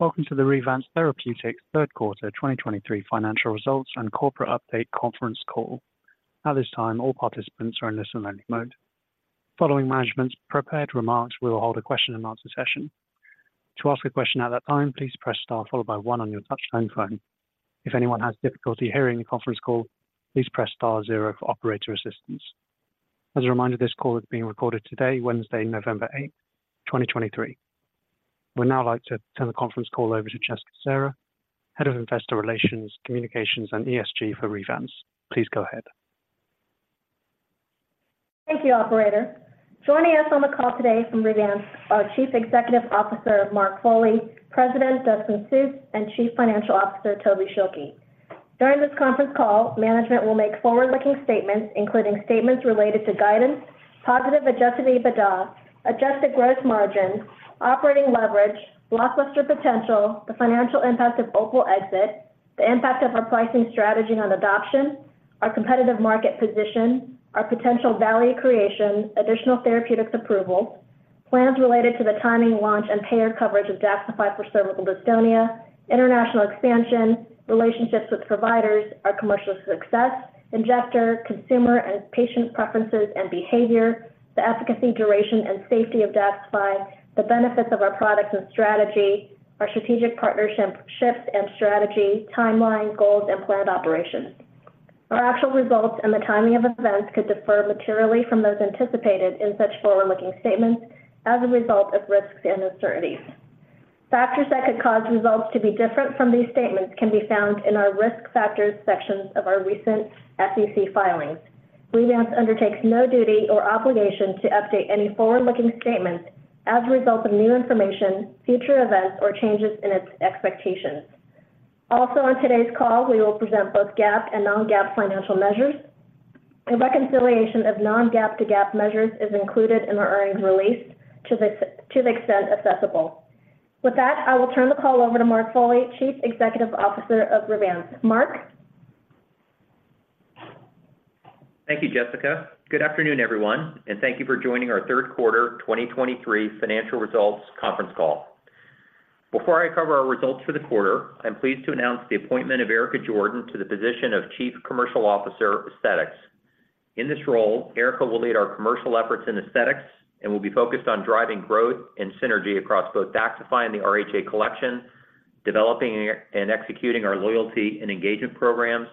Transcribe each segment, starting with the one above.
Welcome to the Revance Therapeutics' Q3 2023 financial results and corporate update conference call. At this time, all participants are in listen-only mode. Following management's prepared remarks, we will hold a question-and-answer session. To ask a question at that time, please press star followed by one on your touchtone phone. If anyone has difficulty hearing the conference call, please press star zero for operator assistance. As a reminder, this call is being recorded today, Wednesday, November 8, 2023. We'd now like to turn the conference call over to Jessica Serra, Head of Investor Relations, Communications, and ESG for Revance. Please go ahead. Thank you, operator. Joining us on the call today from Revance, our Chief Executive Officer, Mark Foley, President, Dustin Sjuts, and Chief Financial Officer, Toby Schilke. During this conference call, management will make forward-looking statements, including statements related to guidance, positive adjusted EBITDA, adjusted gross margin, operating leverage, blockbuster potential, the financial impact of OPUL exit, the impact of our pricing strategy on adoption, our competitive market position, our potential value creation, additional therapeutics approval, plans related to the timing, launch, and payer coverage of DAXXIFY for cervical dystonia, international expansion, relationships with providers, our commercial success, injector, consumer and patient preferences and behavior, the efficacy, duration, and safety of DAXXIFY, the benefits of our products and strategy, our strategic partnerships and strategy, timeline, goals, and planned operations. Our actual results and the timing of events could differ materially from those anticipated in such forward-looking statements as a result of risks and uncertainties. Factors that could cause results to be different from these statements can be found in our Risk Factors sections of our recent SEC filings. Revance undertakes no duty or obligation to update any forward-looking statements as a result of new information, future events, or changes in its expectations. Also, on today's call, we will present both GAAP and non-GAAP financial measures. A reconciliation of non-GAAP to GAAP measures is included in our earnings release to the extent accessible. With that, I will turn the call over to Mark Foley, Chief Executive Officer of Revance. Mark? Thank you, Jessica. Good afternoon, everyone, and thank you for joining our Q3 2023 financial results conference call. Before I cover our results for the quarter, I'm pleased to announce the appointment of Erica Jordan to the position of Chief Commercial Officer, Aesthetics. In this role, Erica will lead our commercial efforts in aesthetics and will be focused on driving growth and synergy across both DAXXIFY and the RHA Collection, developing and executing our loyalty and engagement programs,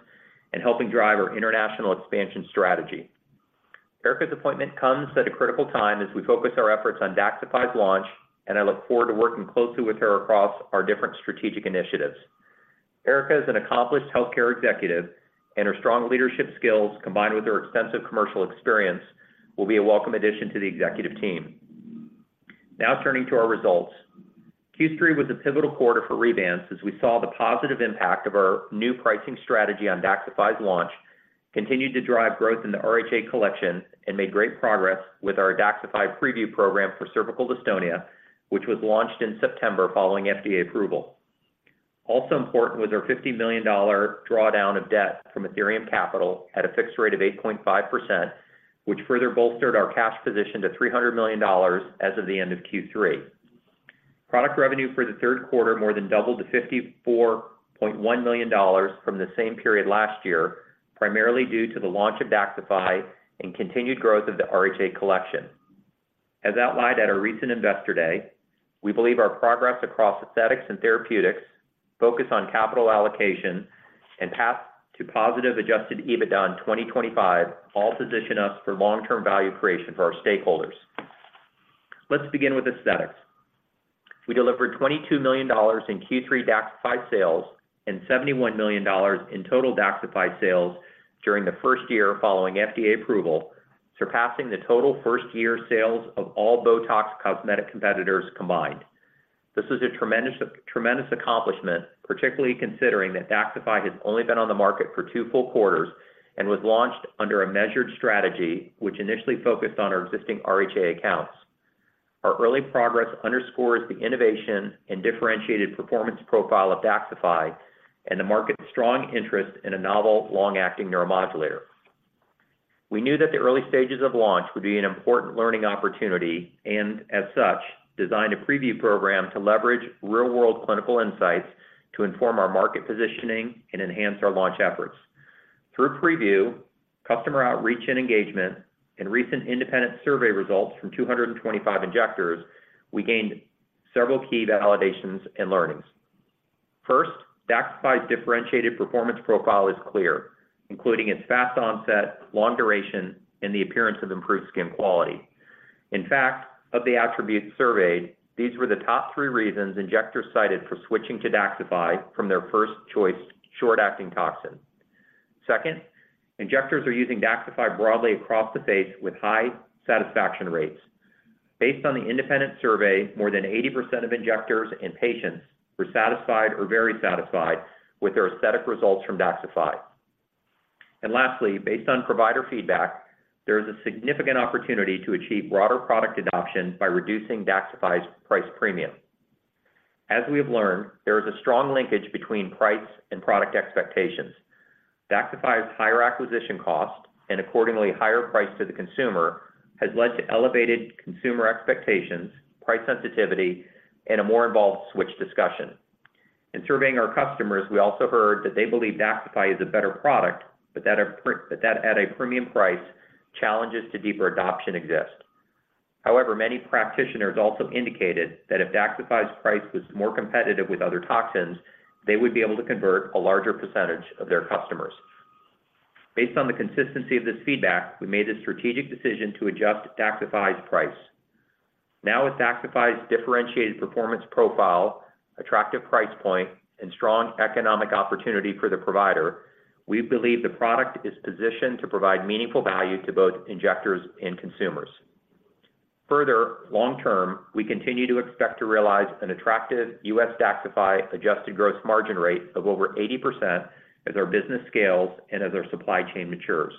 and helping drive our international expansion strategy. Erica's appointment comes at a critical time as we focus our efforts on DAXXIFY's launch, and I look forward to working closely with her across our different strategic initiatives. Erica is an accomplished healthcare executive, and her strong leadership skills, combined with her extensive commercial experience, will be a welcome addition to the executive team. Now, turning to our results. Q3 was a pivotal quarter for Revance as we saw the positive impact of our new pricing strategy on DAXXIFY's launch, continued to drive growth in the RHA Collection, and made great progress with our DAXXIFY PrevU program for cervical dystonia, which was launched in September following FDA approval. Also important was our $50 million drawdown of debt from Athyrium Capital at a fixed rate of 8.5%, which further bolstered our cash position to $300 million as of the end of Q3. Product revenue for the Q3 more than doubled to $54.1 million from the same period last year, primarily due to the launch of DAXXIFY and continued growth of the RHA Collection. As outlined at our recent Investor Day, we believe our progress across aesthetics and therapeutics, focus on capital allocation, and path to positive adjusted EBITDA in 2025, all position us for long-term value creation for our stakeholders. Let's begin with aesthetics. We delivered $22 million in Q3 DAXXIFY sales and $71 million in total DAXXIFY sales during the first year following FDA approval, surpassing the total first-year sales of all BOTOX Cosmetic competitors combined. This is a tremendous, tremendous accomplishment, particularly considering that DAXXIFY has only been on the market for 2 full quarters and was launched under a measured strategy, which initially focused on our existing RHA accounts. Our early progress underscores the innovation and differentiated performance profile of DAXXIFY and the market's strong interest in a novel, long-acting neuromodulator. We knew that the early stages of launch would be an important learning opportunity and, as such, designed a PrevU program to leverage real-world clinical insights to inform our market positioning and enhance our launch efforts. Through PrevU, customer outreach and engagement, and recent independent survey results from 225 injectors, we gained several key validations and learnings. First, DAXXIFY's differentiated performance profile is clear, including its fast onset, long duration, and the appearance of improved skin quality. In fact, of the attributes surveyed, these were the top three reasons injectors cited for switching to DAXXIFY from their first-choice, short-acting toxin. Second, injectors are using DAXXIFY broadly across the face with high satisfaction rates. Based on the independent survey, more than 80% of injectors and patients were satisfied or very satisfied with their aesthetic results from DAXXIFY. And lastly, based on provider feedback, there is a significant opportunity to achieve broader product adoption by reducing DAXXIFY's price premium. As we have learned, there is a strong linkage between price and product expectations. DAXXIFY's higher acquisition cost and accordingly, higher price to the consumer, has led to elevated consumer expectations, price sensitivity, and a more involved switch discussion. In surveying our customers, we also heard that they believe DAXXIFY is a better product, but that at a premium price, challenges to deeper adoption exist. However, many practitioners also indicated that if DAXXIFY's price was more competitive with other toxins, they would be able to convert a larger percentage of their customers. Based on the consistency of this feedback, we made the strategic decision to adjust DAXXIFY's price. Now, with DAXXIFY's differentiated performance profile, attractive price point, and strong economic opportunity for the provider, we believe the product is positioned to provide meaningful value to both injectors and consumers. Further, long term, we continue to expect to realize an attractive U.S. DAXXIFY adjusted gross margin rate of over 80% as our business scales and as our supply chain matures.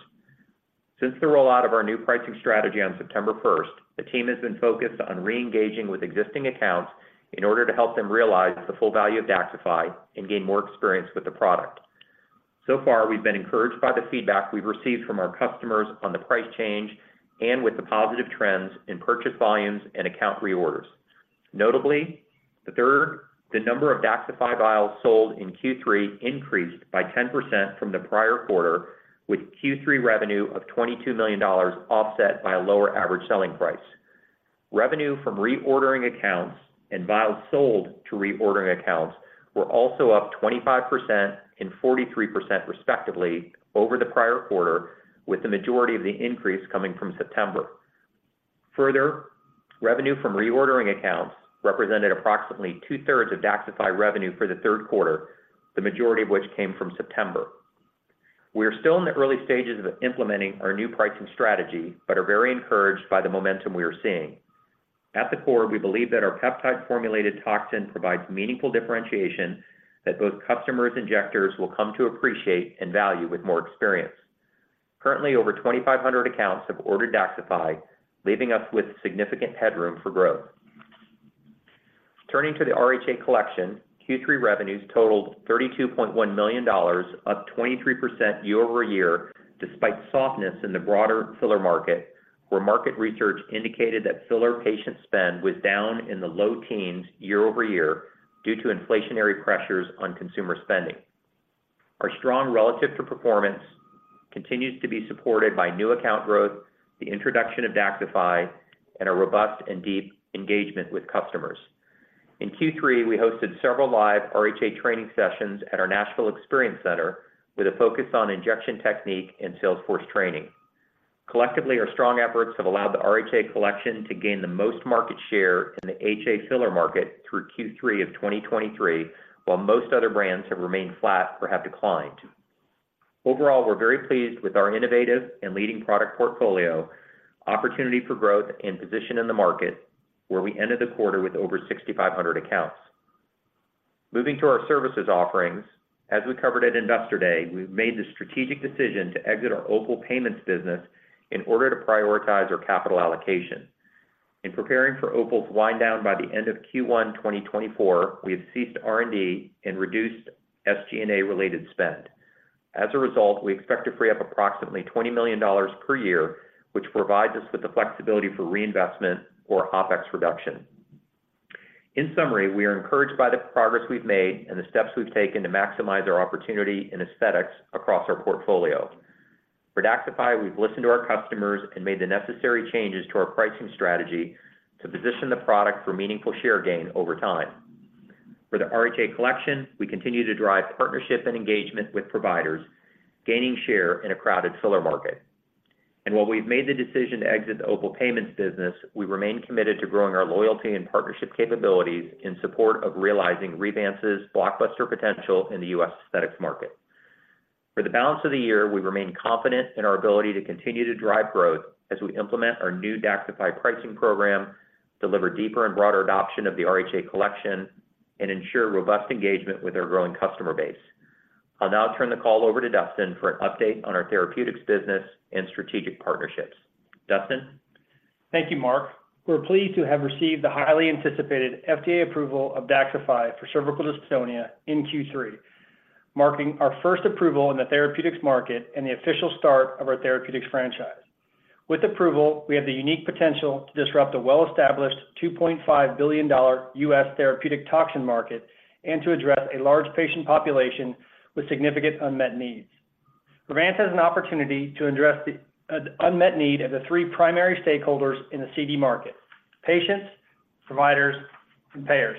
Since the rollout of our new pricing strategy on September first, the team has been focused on reengaging with existing accounts in order to help them realize the full value of DAXXIFY and gain more experience with the product. So far, we've been encouraged by the feedback we've received from our customers on the price change and with the positive trends in purchase volumes and account reorders. Notably, the third, the number of DAXXIFY vials sold in Q3 increased by 10% from the prior quarter, with Q3 revenue of $22 million offset by a lower average selling price. Revenue from reordering accounts and vials sold to reordering accounts were also up 25% and 43% respectively over the prior quarter, with the majority of the increase coming from September. Further, revenue from reordering accounts represented approximately two-thirds of DAXXIFY revenue for the Q3, the majority of which came from September. We are still in the early stages of implementing our new pricing strategy, but are very encouraged by the momentum we are seeing. At the core, we believe that our peptide-formulated toxin provides meaningful differentiation that both customers and injectors will come to appreciate and value with more experience. Currently, over 2,500 accounts have ordered DAXXIFY, leaving us with significant headroom for growth. Turning to the RHA Collection, Q3 revenues totaled $32.1 million, up 23% year-over-year, despite softness in the broader filler market, where market research indicated that filler patient spend was down in the low teens year-over-year, due to inflationary pressures on consumer spending. Our strong relative performance continues to be supported by new account growth, the introduction of DAXXIFY, and a robust and deep engagement with customers. In Q3, we hosted several live RHA training sessions at our Nashville Experience Center, with a focus on injection technique and Salesforce training. Collectively, our strong efforts have allowed the RHA Collection to gain the most market share in the HA filler market through Q3 of 2023, while most other brands have remained flat or have declined. Overall, we're very pleased with our innovative and leading product portfolio, opportunity for growth and position in the market, where we ended the quarter with over 6,500 accounts. Moving to our services offerings, as we covered at Investor Day, we've made the strategic decision to exit our OPUL Payments business in order to prioritize our capital allocation. In preparing for OPUL's wind down by the end of Q1 2024, we have ceased R&D and reduced SG&A-related spend. As a result, we expect to free up approximately $20 million per year, which provides us with the flexibility for reinvestment or OpEx reduction. In summary, we are encouraged by the progress we've made and the steps we've taken to maximize our opportunity in aesthetics across our portfolio. For DAXXIFY, we've listened to our customers and made the necessary changes to our pricing strategy to position the product for meaningful share gain over time. For the RHA Collection, we continue to drive partnership and engagement with providers, gaining share in a crowded filler market. And while we've made the decision to exit the OPUL Payments business, we remain committed to growing our loyalty and partnership capabilities in support of realizing Revance's blockbuster potential in the U.S. aesthetics market. For the balance of the year, we remain confident in our ability to continue to drive growth as we implement our new DAXXIFY pricing program, deliver deeper and broader adoption of the RHA Collection, and ensure robust engagement with our growing customer base. I'll now turn the call over to Dustin for an update on our therapeutics business and strategic partnerships. Dustin? Thank you, Mark. We're pleased to have received the highly anticipated FDA approval of DAXXIFY for cervical dystonia in Q3, marking our first approval in the therapeutics market and the official start of our therapeutics franchise. With approval, we have the unique potential to disrupt a well-established $2.5 billion U.S. therapeutic toxin market and to address a large patient population with significant unmet needs. Revance has an opportunity to address the unmet need of the three primary stakeholders in the CD market: patients, providers, and payers.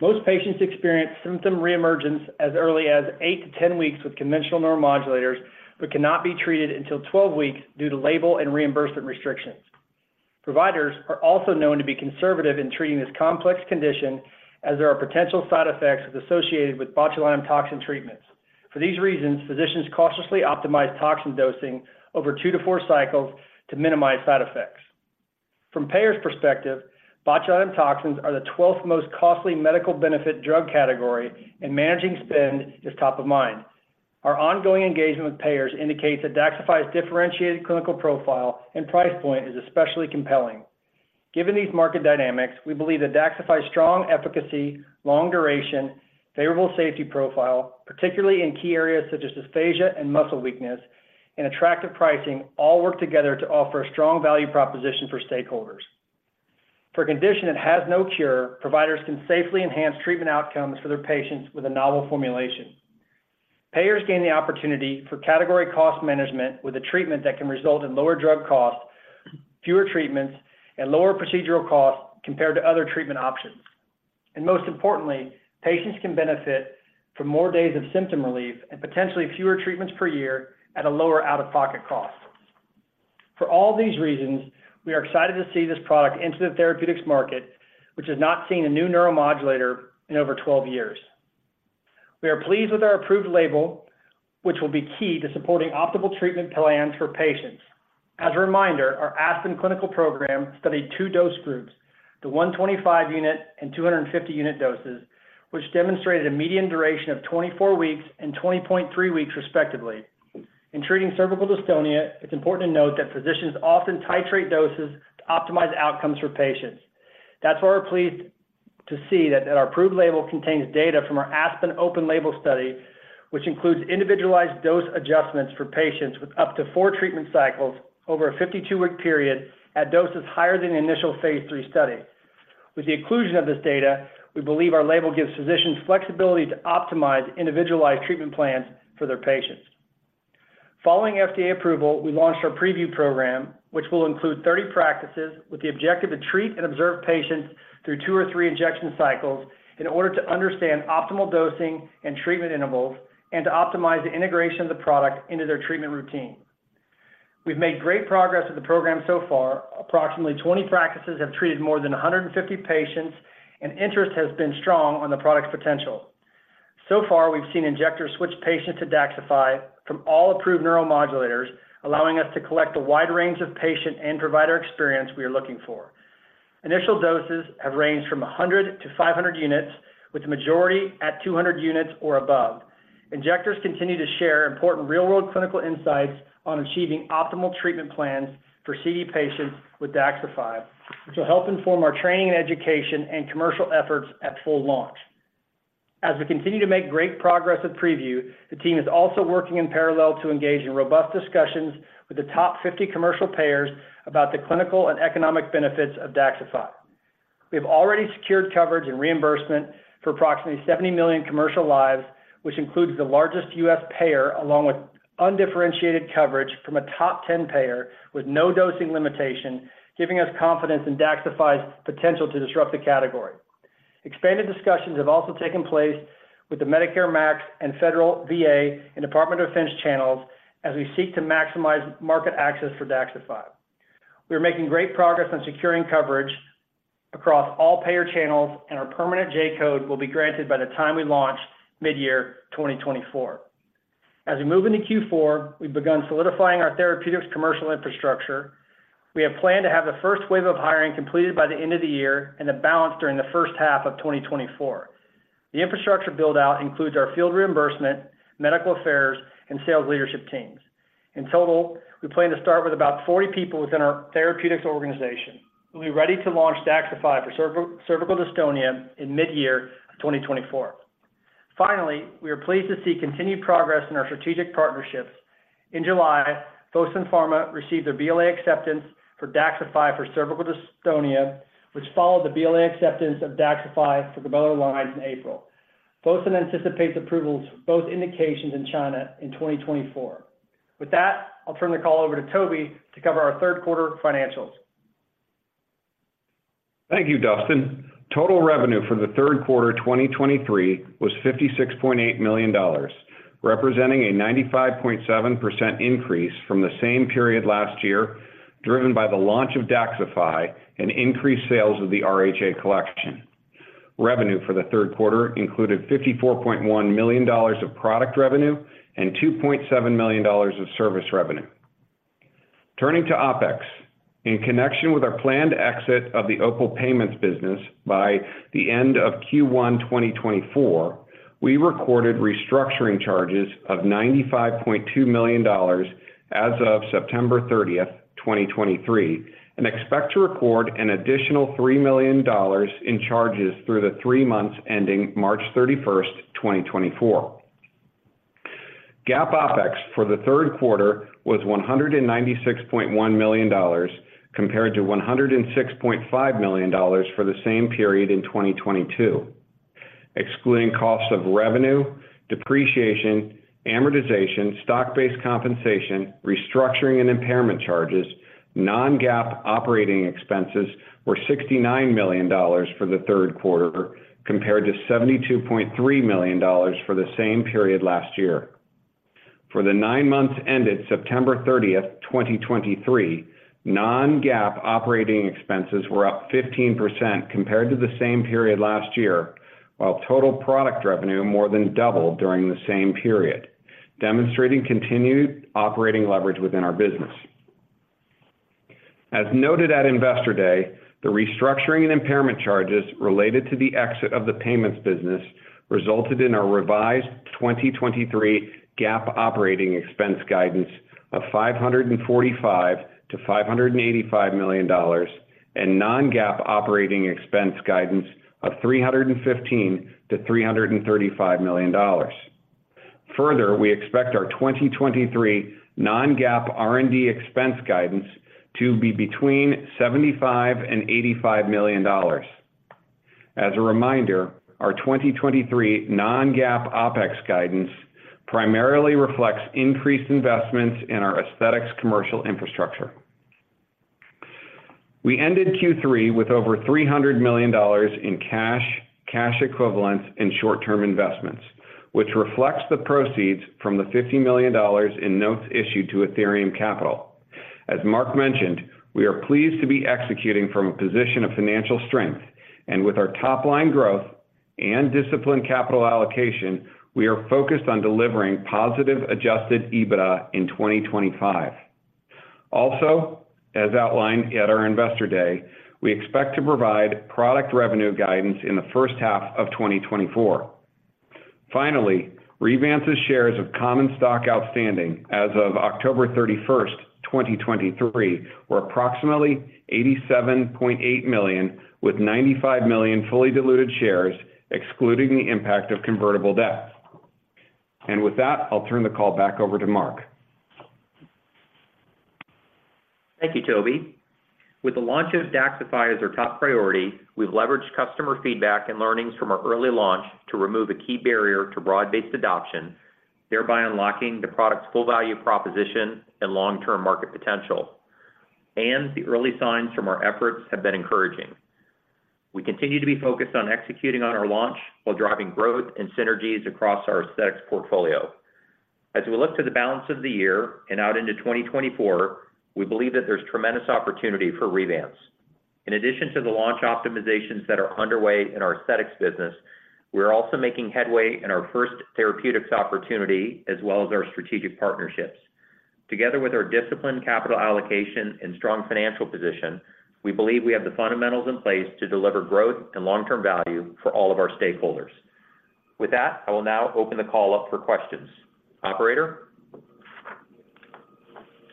Most patients experience symptom reemergence as early as eight to 10 weeks with conventional neuromodulators, but cannot be treated until 12 weeks due to label and reimbursement restrictions. Providers are also known to be conservative in treating this complex condition, as there are potential side effects associated with botulinum toxin treatments. For these reasons, physicians cautiously optimize toxin dosing over 2-4 cycles to minimize side effects. From payers' perspective, botulinum toxins are the twelfth most costly medical benefit drug category, and managing spend is top of mind. Our ongoing engagement with payers indicates that DAXXIFY's differentiated clinical profile and price point is especially compelling. Given these market dynamics, we believe that DAXXIFY's strong efficacy, long duration, favorable safety profile, particularly in key areas such as dysphagia and muscle weakness, and attractive pricing, all work together to offer a strong value proposition for stakeholders. For a condition that has no cure, providers can safely enhance treatment outcomes for their patients with a novel formulation. Payers gain the opportunity for category cost management with a treatment that can result in lower drug costs, fewer treatments, and lower procedural costs compared to other treatment options. Most importantly, patients can benefit from more days of symptom relief and potentially fewer treatments per year at a lower out-of-pocket cost. For all these reasons, we are excited to see this product into the therapeutics market, which has not seen a new neuromodulator in over 12 years. We are pleased with our approved label, which will be key to supporting optimal treatment plans for patients. As a reminder, our ASPEN clinical program studied two dose groups, the 125-unit and 250-unit doses, which demonstrated a median duration of 24 weeks and 20.3 weeks, respectively. In treating cervical dystonia, it's important to note that physicians often titrate doses to optimize outcomes for patients. That's why we're pleased to see that our approved label contains data from our ASPEN open-label study, which includes individualized dose adjustments for patients with up to 4 treatment cycles over a 52-week period at doses higher than the initial Phase III study. With the inclusion of this data, we believe our label gives physicians flexibility to optimize individualized treatment plans for their patients. Following FDA approval, we launched our PrevU program, which will include 30 practices with the objective to treat and observe patients through 2 or 3 injection cycles in order to understand optimal dosing and treatment intervals, and to optimize the integration of the product into their treatment routine. We've made great progress with the program so far. Approximately 20 practices have treated more than 150 patients, and interest has been strong on the product's potential. So far, we've seen injectors switch patients to DAXXIFY from all approved neuromodulators, allowing us to collect a wide range of patient and provider experience we are looking for. Initial doses have ranged from 100 to 500 units, with the majority at 200 units or above. Injectors continue to share important real-world clinical insights on achieving optimal treatment plans for CD patients with DAXXIFY, which will help inform our training and education and commercial efforts at full launch. As we continue to make great progress with PrevU, the team is also working in parallel to engage in robust discussions with the top 50 commercial payers about the clinical and economic benefits of DAXXIFY. We have already secured coverage and reimbursement for approximately 70 million commercial lives, which includes the largest U.S. payer, along with undifferentiated coverage from a top 10 payer with no dosing limitation, giving us confidence in DAXXIFY's potential to disrupt the category. Expanded discussions have also taken place with the Medicare, Medicaid and Federal VA and Department of Defense channels as we seek to maximize market access for DAXXIFY. We are making great progress on securing coverage across all payer channels, and our permanent J-code will be granted by the time we launch midyear 2024. As we move into Q4, we've begun solidifying our therapeutics commercial infrastructure. We have planned to have the first wave of hiring completed by the end of the year and the balance during the first half of 2024. The infrastructure build-out includes our field reimbursement, medical affairs, and sales leadership teams. In total, we plan to start with about 40 people within our therapeutics organization. We'll be ready to launch DAXXIFY for cervical dystonia in mid-year 2024. Finally, we are pleased to see continued progress in our strategic partnerships. In July, Fosun Pharma received a BLA acceptance for DAXXIFY for cervical dystonia, which followed the BLA acceptance of DAXXIFY for the glabellar lines in April. Fosun anticipates approvals for both indications in China in 2024. With that, I'll turn the call over to Toby to cover our Q3 financials. Thank you, Dustin. Total revenue for the Q3 2023 was $56.8 million, representing a 95.7% increase from the same period last year, driven by the launch of DAXXIFY and increased sales of the RHA Collection. Revenue for the Q3 included $54.1 million of product revenue and $2.7 million of service revenue. Turning to OpEx, in connection with our planned exit of the OPUL Payments business by the end of Q1 2024, we recorded restructuring charges of $95.2 million as of September 30th, 2023, and expect to record an additional $3 million in charges through the three months ending March 31st, 2024. GAAP OpEx for the Q3 was $196.1 million, compared to $106.5 million for the same period in 2022. Excluding costs of revenue, depreciation, amortization, stock-based compensation, restructuring and impairment charges, non-GAAP operating expenses were $69 million for the Q3, compared to $72.3 million for the same period last year. For the nine months ended September 30, 2023, non-GAAP operating expenses were up 15% compared to the same period last year, while total product revenue more than doubled during the same period, demonstrating continued operating leverage within our business. As noted at Investor Day, the restructuring and impairment charges related to the exit of the payments business resulted in our revised 2023 GAAP operating expense guidance of $545 million-$585 million-... non-GAAP operating expense guidance of $315 million-$335 million. Further, we expect our 2023 non-GAAP R&D expense guidance to be between $75 million-$85 million. As a reminder, our 2023 non-GAAP OpEx guidance primarily reflects increased investments in our aesthetics commercial infrastructure. We ended Q3 with over $300 million in cash, cash equivalents, and short-term investments, which reflects the proceeds from the $50 million in notes issued to Athyrium Capital. As Mark mentioned, we are pleased to be executing from a position of financial strength. With our top-line growth and disciplined capital allocation, we are focused on delivering positive adjusted EBITDA in 2025. Also, as outlined at our Investor Day, we expect to provide product revenue guidance in the first half of 2024. Finally, Revance's shares of common stock outstanding as of October 31st, 2023, were approximately 87.8 million, with 95 million fully diluted shares, excluding the impact of convertible debt. With that, I'll turn the call back over to Mark. Thank you, Toby. With the launch of DAXXIFY as our top priority, we've leveraged customer feedback and learnings from our early launch to remove a key barrier to broad-based adoption, thereby unlocking the product's full value proposition and long-term market potential. The early signs from our efforts have been encouraging. We continue to be focused on executing on our launch while driving growth and synergies across our aesthetics portfolio. As we look to the balance of the year and out into 2024, we believe that there's tremendous opportunity for Revance. In addition to the launch optimizations that are underway in our aesthetics business, we're also making headway in our first therapeutics opportunity, as well as our strategic partnerships. Together with our disciplined capital allocation and strong financial position, we believe we have the fundamentals in place to deliver growth and long-term value for all of our stakeholders. With that, I will now open the call up for questions. Operator?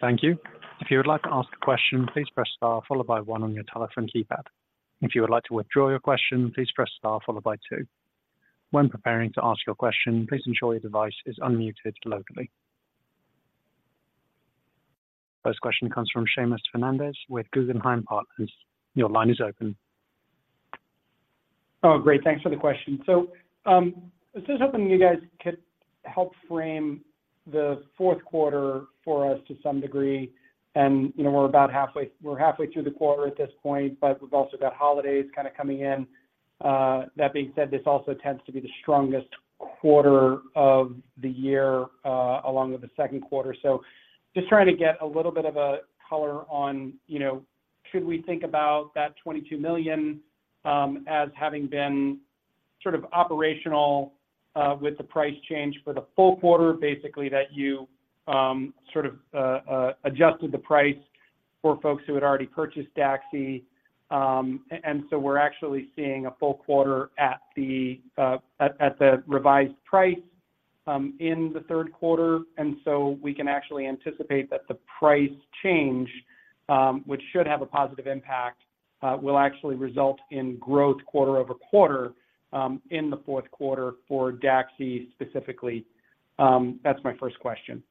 Thank you. If you would like to ask a question, please press star followed by one on your telephone keypad. If you would like to withdraw your question, please press star followed by two. When preparing to ask your question, please ensure your device is unmuted locally. First question comes from Seamus Fernandez with Guggenheim Partners. Your line is open. Oh, great. Thanks for the question. So, I was just hoping you guys could help frame the Q4 for us to some degree, and, you know, we're halfway through the quarter at this point, but we've also got holidays kind of coming in. That being said, this also tends to be the strongest quarter of the year, along with the Q2. So just trying to get a little bit of a color on, you know, should we think about that $22 million as having been sort of operational with the price change for the full quarter, basically, that you sort of adjusted the price for folks who had already purchased Daxi? And so we're actually seeing a full quarter at the revised price in the Q3. And so we can actually anticipate that the price change, which should have a positive impact, will actually result in growth quarter-over-quarter, in the Q4 for Daxi specifically. That's my first question.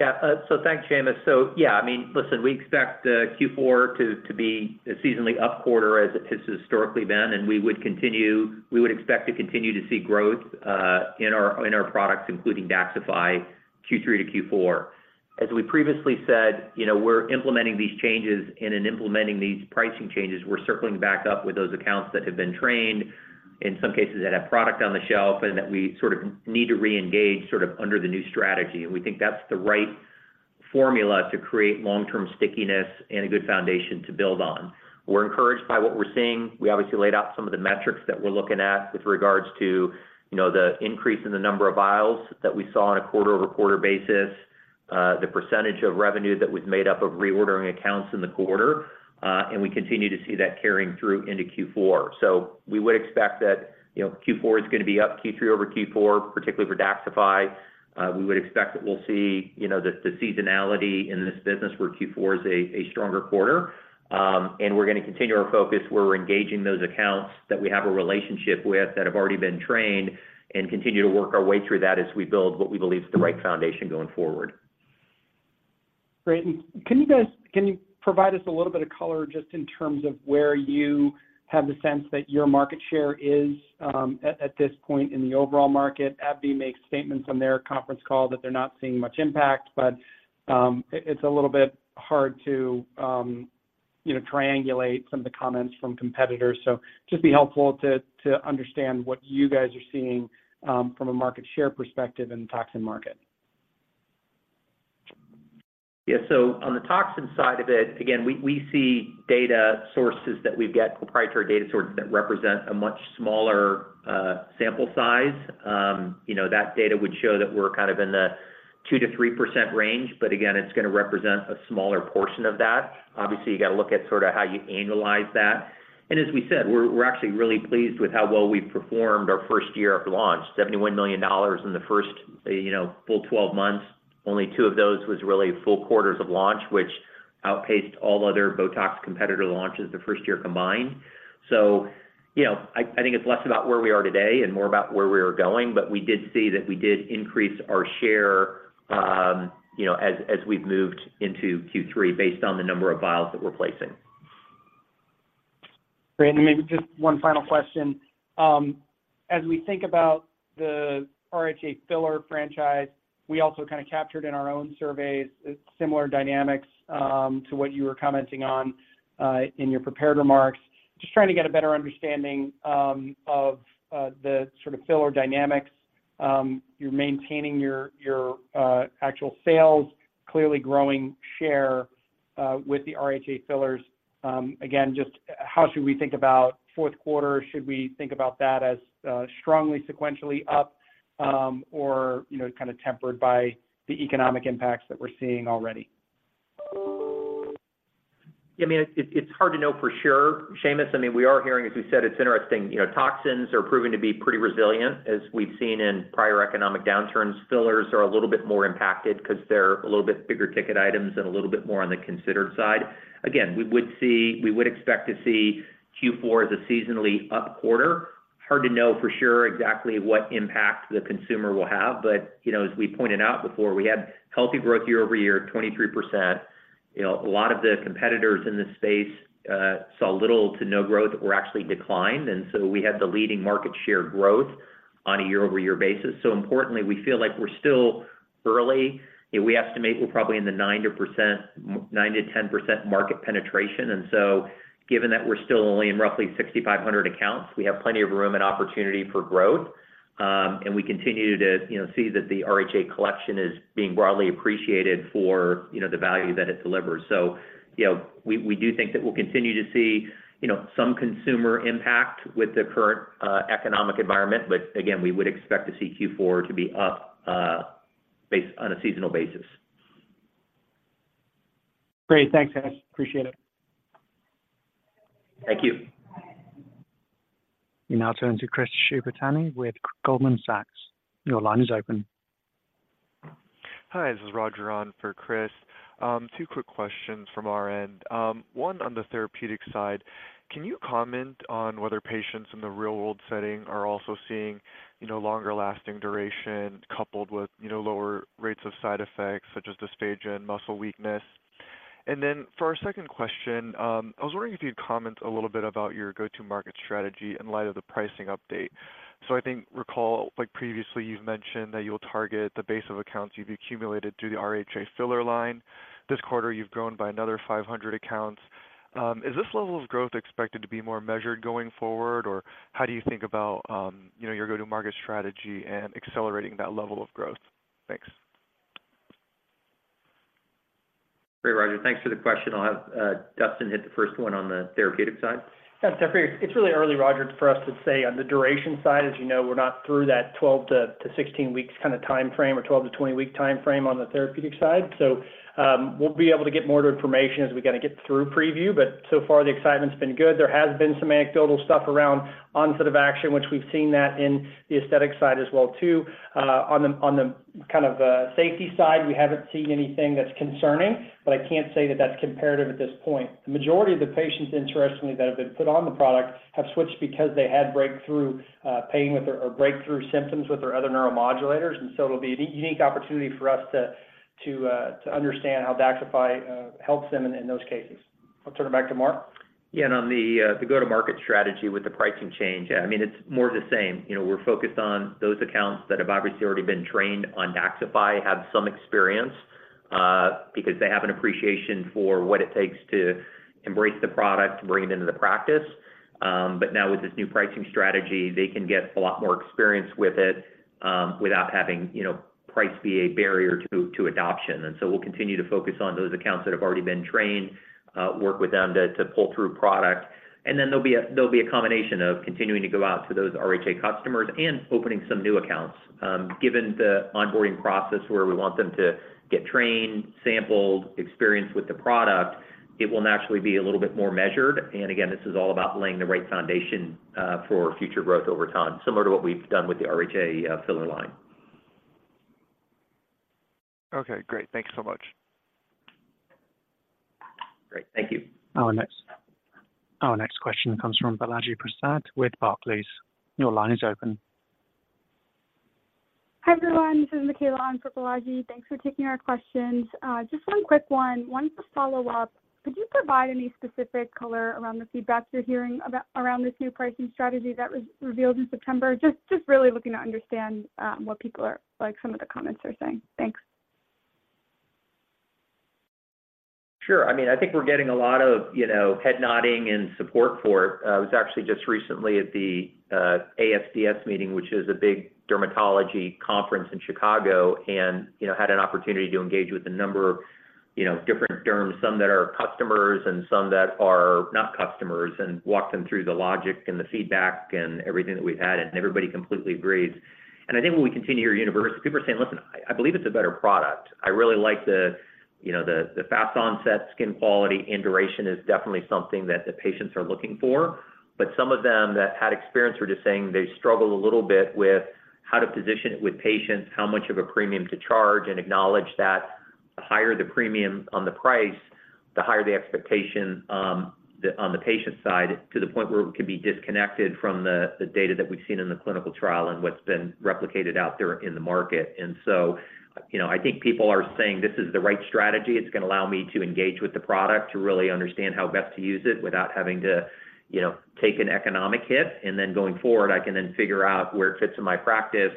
Yeah, so thanks, Seamus. So yeah, I mean, listen, we expect Q4 to be a seasonally up quarter as it has historically been, and we would continue, we would expect to continue to see growth in our products, including DAXXIFY, Q3 to Q4. As we previously said, you know, we're implementing these changes, and in implementing these pricing changes, we're circling back up with those accounts that have been trained, in some cases, that have product on the shelf, and that we sort of need to reengage, sort of under the new strategy. And we think that's the right formula to create long-term stickiness and a good foundation to build on. We're encouraged by what we're seeing. We obviously laid out some of the metrics that we're looking at with regards to, you know, the increase in the number of vials that we saw on a quarter-over-quarter basis, the percentage of revenue that was made up of reordering accounts in the quarter, and we continue to see that carrying through into Q4. So we would expect that, you know, Q4 is gonna be up Q3 over Q4, particularly for DAXXIFY. We would expect that we'll see, you know, the seasonality in this business where Q4 is a stronger quarter. And we're gonna continue our focus where we're engaging those accounts that we have a relationship with, that have already been trained, and continue to work our way through that as we build what we believe is the right foundation going forward. Great. Can you guys provide us a little bit of color just in terms of where you have the sense that your market share is at this point in the overall market? AbbVie makes statements on their conference call that they're not seeing much impact, but it's a little bit hard to, you know, triangulate some of the comments from competitors. So just be helpful to understand what you guys are seeing from a market share perspective in the toxin market. Yeah. So on the toxin side of it, again, we see data sources that we get, proprietary data sources that represent a much smaller sample size. You know, that data would show that we're kind of in the 2%-3% range, but again, it's gonna represent a smaller portion of that. Obviously, you got to look at sort of how you annualize that. And as we said, we're actually really pleased with how well we've performed our first year of launch, $71 million in the first full 12 months. Only two of those was really full quarters of launch, which outpaced all other BOTOX competitor launches the first year combined. So, you know, I think it's less about where we are today and more about where we are going. But we did see that we did increase our share, you know, as we've moved into Q3, based on the number of vials that we're placing. Great. And maybe just one final question. As we think about the RHA filler franchise, we also kind of captured in our own surveys, similar dynamics, to what you were commenting on, in your prepared remarks. Just trying to get a better understanding, of the sort of filler dynamics. You're maintaining your actual sales, clearly growing share, with the RHA fillers. Again, just how should we think about Q4? Should we think about that as strongly sequentially up, or, you know, kind of tempered by the economic impacts that we're seeing already? I mean, it's hard to know for sure, Seamus. I mean, we are hearing, as we said, it's interesting, you know, toxins are proving to be pretty resilient, as we've seen in prior economic downturns. Fillers are a little bit more impacted because they're a little bit bigger ticket items and a little bit more on the considered side. Again, we would see, we would expect to see Q4 as a seasonally up quarter. Hard to know for sure exactly what impact the consumer will have, but, you know, as we pointed out before, we had healthy growth year-over-year, 23%. You know, a lot of the competitors in this space saw little to no growth or actually declined, and so we had the leading market share growth on a year-over-year basis. So importantly, we feel like we're still early. We estimate we're probably in the 9%-10% market penetration, and so given that we're still only in roughly 6,500 accounts, we have plenty of room and opportunity for growth. And we continue to, you know, see that the RHA collection is being broadly appreciated for, you know, the value that it delivers. So, you know, we, we do think that we'll continue to see, you know, some consumer impact with the current economic environment. But again, we would expect to see Q4 to be up based on a seasonal basis. Great. Thanks, guys. Appreciate it. Thank you. We now turn to Chris Shibutani with Goldman Sachs. Your line is open. Hi, this is Roger on for Chris. Two quick questions from our end. One, on the therapeutic side, can you comment on whether patients in the real-world setting are also seeing, you know, longer-lasting duration coupled with, you know, lower rates of side effects, such as dysphagia and muscle weakness? And then for our second question, I was wondering if you'd comment a little bit about your go-to-market strategy in light of the pricing update. So I think, recall, like previously, you've mentioned that you'll target the base of accounts you've accumulated through the RHA filler line. This quarter, you've grown by another 500 accounts. Is this level of growth expected to be more measured going forward? Or how do you think about, you know, your go-to-market strategy and accelerating that level of growth? Thanks. Great, Roger. Thanks for the question. I'll have Dustin hit the first one on the therapeutic side. Yeah, it's really early, Roger, for us to say on the duration side. As you know, we're not through that 12-16 weeks kind of time frame or 12-20 week time frame on the therapeutic side. So, we'll be able to get more information as we kind of get through PrevU, but so far, the excitement's been good. There has been some anecdotal stuff around onset of action, which we've seen that in the aesthetic side as well, too. On the, on the kind of, safety side, we haven't seen anything that's concerning, but I can't say that that's comparative at this point. The majority of the patients, interestingly, that have been put on the product, have switched because they had breakthrough pain with or breakthrough symptoms with their other neuromodulators. And so it'll be a unique opportunity for us to understand how DAXXIFY helps them in those cases. I'll turn it back to Mark. Yeah, and on the, the go-to-market strategy with the pricing change, I mean, it's more of the same. You know, we're focused on those accounts that have obviously already been trained on DAXXIFY, have some experience, because they have an appreciation for what it takes to embrace the product, to bring it into the practice. But now with this new pricing strategy, they can get a lot more experience with it, without having, you know, price be a barrier to, to adoption. And so we'll continue to focus on those accounts that have already been trained, work with them to, to pull through product. And then there'll be a combination of continuing to go out to those RHA customers and opening some new accounts. Given the onboarding process where we want them to get trained, sampled, experienced with the product, it will naturally be a little bit more measured. And again, this is all about laying the right foundation, for future growth over time, similar to what we've done with the RHA filler line. Okay, great. Thank you so much. Great. Thank you. Our next question comes from Balaji Prasad with Barclays. Your line is open. Hi, everyone. This is Michaela on for Balaji. Thanks for taking our questions. Just one quick one. One to follow up, could you provide any specific color around the feedback you're hearing about around this new pricing strategy that was revealed in September? Just really looking to understand what people are like, some of the comments are saying. Thanks. Sure. I mean, I think we're getting a lot of, you know, head nodding and support for it. I was actually just recently at the ASDS meeting, which is a big dermatology conference in Chicago, and, you know, had an opportunity to engage with a number of, you know, different derms, some that are customers and some that are not customers, and walked them through the logic and the feedback and everything that we've had, and everybody completely agrees. And I think when we continue to hear universe, people are saying, "Listen, I believe it's a better product. I really like the, you know, fast onset skin quality, and duration is definitely something that the patients are looking for." But some of them that had experience were just saying they struggle a little bit with how to position it with patients, how much of a premium to charge, and acknowledge that higher the premium on the price, the higher the expectation, on the patient side, to the point where it could be disconnected from the data that we've seen in the clinical trial and what's been replicated out there in the market. And so, you know, I think people are saying this is the right strategy. It's gonna allow me to engage with the product, to really understand how best to use it without having to, you know, take an economic hit. Then going forward, I can then figure out where it fits in my practice,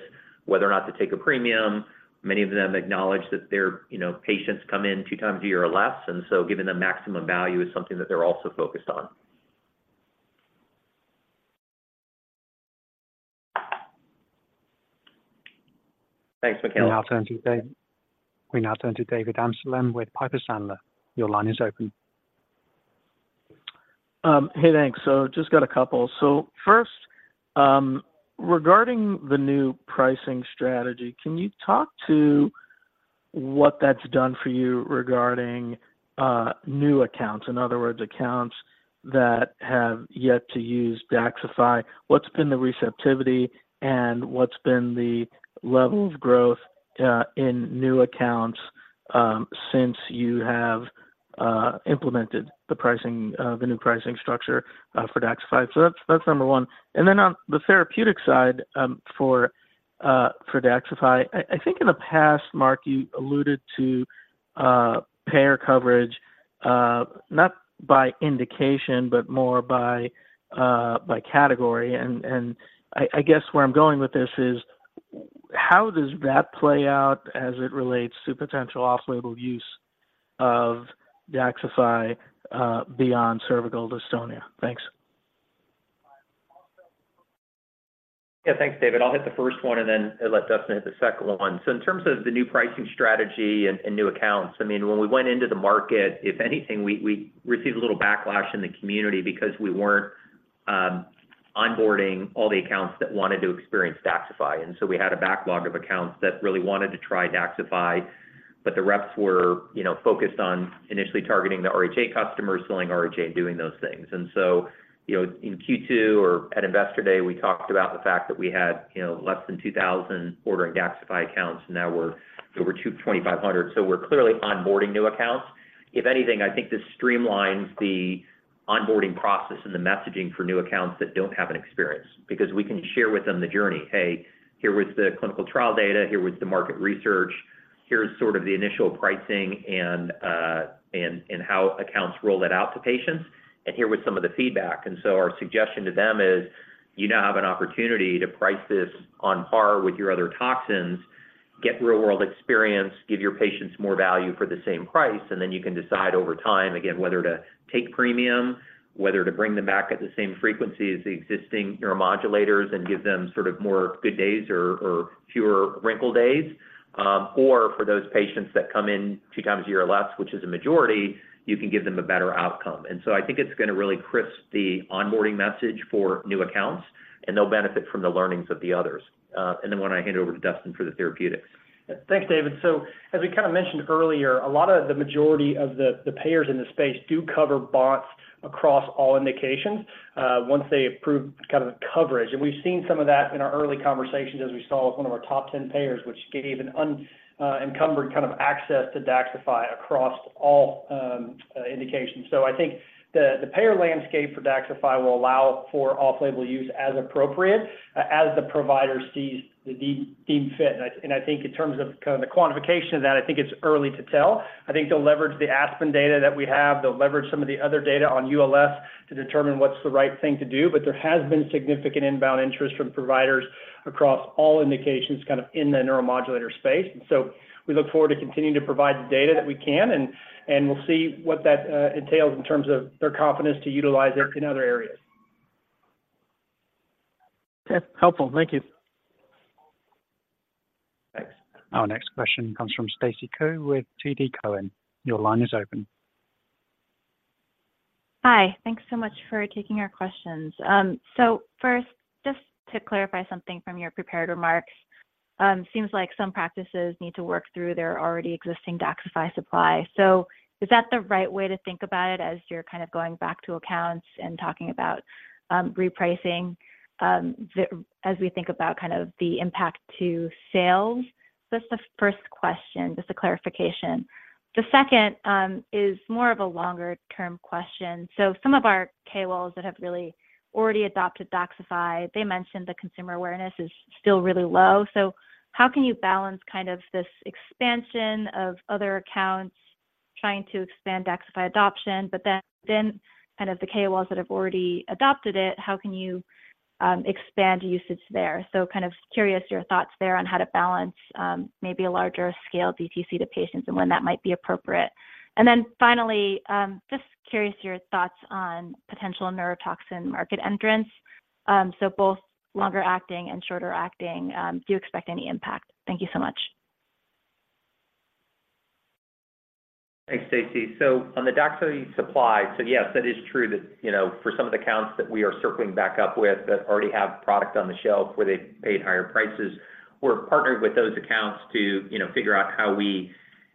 whether or not to take a premium. Many of them acknowledge that their, you know, patients come in two times a year or less, and so giving them maximum value is something that they're also focused on. Thanks, Michaela. We now turn to David. We now turn to David Amsellem with Piper Sandler. Your line is open. Hey, thanks. So just got a couple. So first, regarding the new pricing strategy, can you talk to what that's done for you regarding new accounts? In other words, accounts that have yet to use DAXXIFY. What's been the receptivity, and what's been the level of growth in new accounts since you have implemented the pricing, the new pricing structure for DAXXIFY? So that's, that's number one. And then on the therapeutic side, for DAXXIFY, I think in the past, Mark, you alluded to payer coverage not by indication, but more by category. And I guess where I'm going with this is, how does that play out as it relates to potential off-label use of DAXXIFY beyond cervical dystonia? Thanks. Yeah, thanks, David. I'll hit the first one and then let Dustin hit the second one. So in terms of the new pricing strategy and, and new accounts, I mean, when we went into the market, if anything, we received a little backlash in the community because we weren't onboarding all the accounts that wanted to experience DAXXIFY. And so we had a backlog of accounts that really wanted to try DAXXIFY, but the reps were, you know, focused on initially targeting the RHA customers, selling RHA, and doing those things. And so, you know, in Q2 or at Investor Day, we talked about the fact that we had, you know, less than 2,000 ordering DAXXIFY accounts, now we're over 2,250, so we're clearly onboarding new accounts. If anything, I think this streamlines the onboarding process and the messaging for new accounts that don't have an experience, because we can share with them the journey. "Hey, here was the clinical trial data, here was the market research, here's sort of the initial pricing and how accounts roll that out to patients, and here were some of the feedback." And so our suggestion to them is, you now have an opportunity to price this on par with your other toxins, get real-world experience, give your patients more value for the same price, and then you can decide over time, again, whether to take premium, whether to bring them back at the same frequency as the existing neuromodulators and give them sort of more good days or fewer wrinkle days. Or for those patients that come in two times a year or less, which is a majority, you can give them a better outcome. And so I think it's gonna really crisp the onboarding message for new accounts, and they'll benefit from the learnings of the others. And then why don't I hand over to Dustin for the therapeutics? Thanks, David. So as we kind of mentioned earlier, a lot of the majority of the payers in this space do cover bots across all indications once they approve kind of the coverage. And we've seen some of that in our early conversations as we saw with one of our top ten payers, which gave an unencumbered kind of access to DAXXIFY across all indications. So I think the payer landscape for DAXXIFY will allow for off-label use as appropriate as the provider deems fit. And I think in terms of kind of the quantification of that, I think it's early to tell. I think they'll leverage the ASPEN data that we have. They'll leverage some of the other data on ULS to determine what's the right thing to do, but there has been significant inbound interest from providers across all indications, kind of in the neuromodulator space. So we look forward to continuing to provide the data that we can, and we'll see what that entails in terms of their confidence to utilize it in other areas. Yeah, helpful. Thank you. Thanks. Our next question comes from Stacy Ku with TD Cowen. Your line is open. Hi. Thanks so much for taking our questions. So first, just to clarify something from your prepared remarks, seems like some practices need to work through their already existing DAXXIFY supply. So is that the right way to think about it as you're kind of going back to accounts and talking about repricing the as we think about kind of the impact to sales? So that's the first question, just a clarification. The second is more of a longer term question. So some of our KOLs that have really already adopted DAXXIFY, they mentioned the consumer awareness is still really low. So how can you balance kind of this expansion of other accounts trying to expand DAXXIFY adoption, but then kind of the KOLs that have already adopted it, how can you expand usage there? So kind of curious your thoughts there on how to balance, maybe a larger scale DTC to patients and when that might be appropriate. And then finally, just curious your thoughts on potential neurotoxin market entrants, so both longer acting and shorter acting, do you expect any impact? Thank you so much. Thanks, Stacy. So on the DAXXIFY supply, so yes, that is true that, you know, for some of the accounts that we are circling back up with that already have product on the shelf where they've paid higher prices, we're partnered with those accounts to, you know, figure out how, you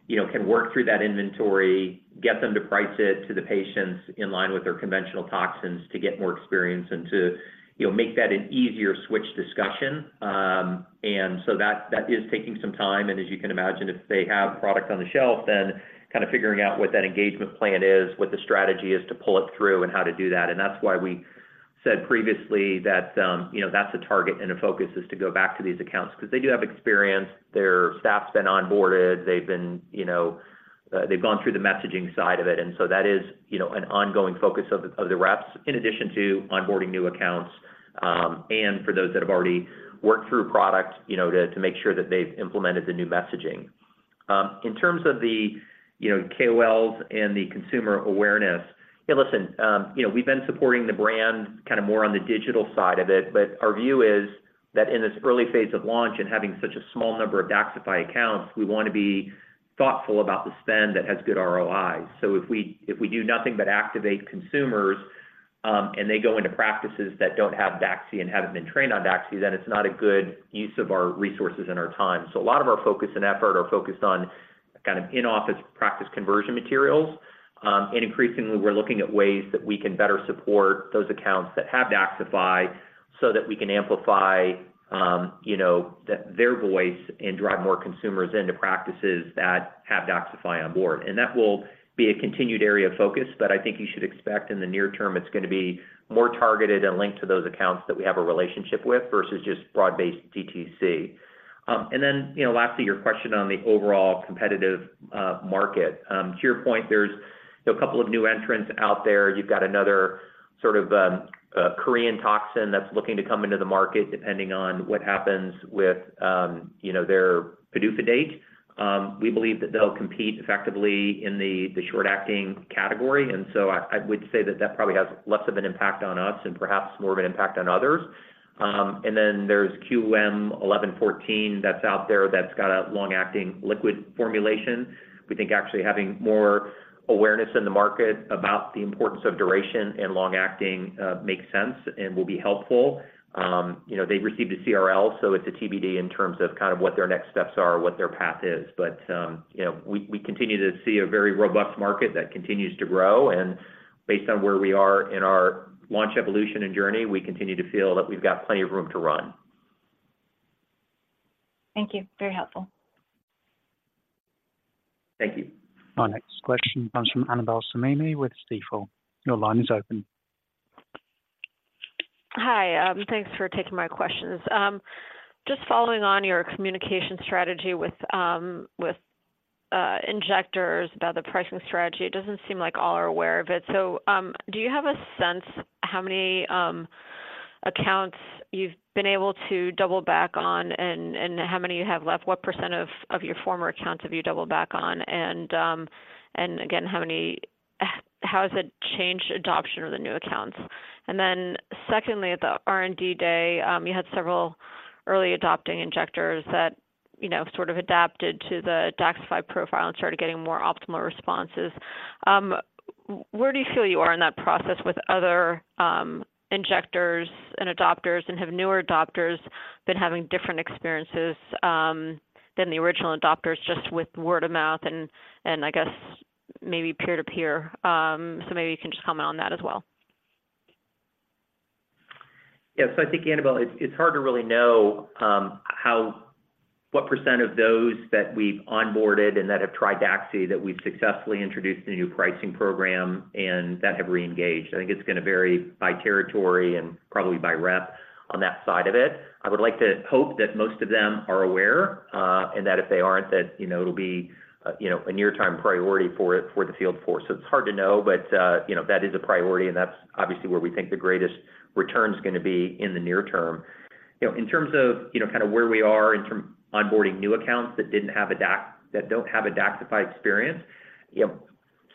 know, can work through that inventory, get them to price it to the patients in line with their conventional toxins to get more experience and to, you know, make that an easier switch discussion. And so that, that is taking some time, and as you can imagine, if they have product on the shelf, then kind of figuring out what that engagement plan is, what the strategy is to pull it through and how to do that. And that's why we said previously that, you know, that's a target and a focus, is to go back to these accounts. Because they do have experience, their staff's been onboarded, they've been, you know, they've gone through the messaging side of it. And so that is, you know, an ongoing focus of the reps, in addition to onboarding new accounts, and for those that have already worked through product, you know, to make sure that they've implemented the new messaging. In terms of the, you know, KOLs and the consumer awareness, hey, listen, you know, we've been supporting the brand kind of more on the digital side of it, but our view is that in this early phase of launch and having such a small number of DAXXIFY accounts, we want to be thoughtful about the spend that has good ROIs. So if we, if we do nothing but activate consumers, and they go into practices that don't have DAXI and haven't been trained on DAXI, then it's not a good use of our resources and our time. So a lot of our focus and effort are focused on kind of in-office practice conversion materials. And increasingly, we're looking at ways that we can better support those accounts that have DAXXIFY, so that we can amplify, you know, their voice and drive more consumers into practices that have DAXXIFY on board. And that will be a continued area of focus, but I think you should expect in the near term, it's going to be more targeted and linked to those accounts that we have a relationship with versus just broad-based DTC. And then, you know, lastly, your question on the overall competitive market. To your point, there's a couple of new entrants out there. You've got another sort of Korean toxin that's looking to come into the market, depending on what happens with, you know, their PDUFA date. We believe that they'll compete effectively in the short-acting category, and so I would say that that probably has less of an impact on us and perhaps more of an impact on others. And then there's QM-1114 that's out there that's got a long-acting liquid formulation. We think actually having more awareness in the market about the importance of duration and long-acting makes sense and will be helpful. You know, they've received a CRL, so it's a TBD in terms of kind of what their next steps are, what their path is. But, you know, we continue to see a very robust market that continues to grow, and based on where we are in our launch evolution and journey, we continue to feel that we've got plenty of room to run. Thank you. Very helpful. Thank you. Our next question comes from Annabel Samimy with Stifel. Your line is open. Hi, thanks for taking my questions. Just following on your communication strategy with, with, injectors about the pricing strategy, it doesn't seem like all are aware of it. So, do you have a sense how many, accounts you've been able to double back on and, and how many you have left? What percent of your former accounts have you doubled back on? And, and again, how has it changed adoption of the new accounts? And then secondly, at the R&D day, you had several early adopting injectors that, you know, sort of adapted to the DAXXIFY profile and started getting more optimal responses. Where do you feel you are in that process with other injectors and adopters, and have newer adopters been having different experiences than the original adopters, just with word of mouth and, and I guess maybe peer to peer? So maybe you can just comment on that as well. Yeah. So I think, Annabel, it's hard to really know how what percent of those that we've onboarded and that have tried Daxi, that we've successfully introduced a new pricing program and that have reengaged. I think it's going to vary by territory and probably by rep on that side of it. I would like to hope that most of them are aware, and that if they aren't, that, you know, it'll be, you know, a near-term priority for it, for the field force. So it's hard to know, but, you know, that is a priority, and that's obviously where we think the greatest return is going to be in the near term. You know, in terms of, you know, kind of where we are in onboarding new accounts that didn't have a DAXXIFY, that don't have a DAXXIFY experience, you know,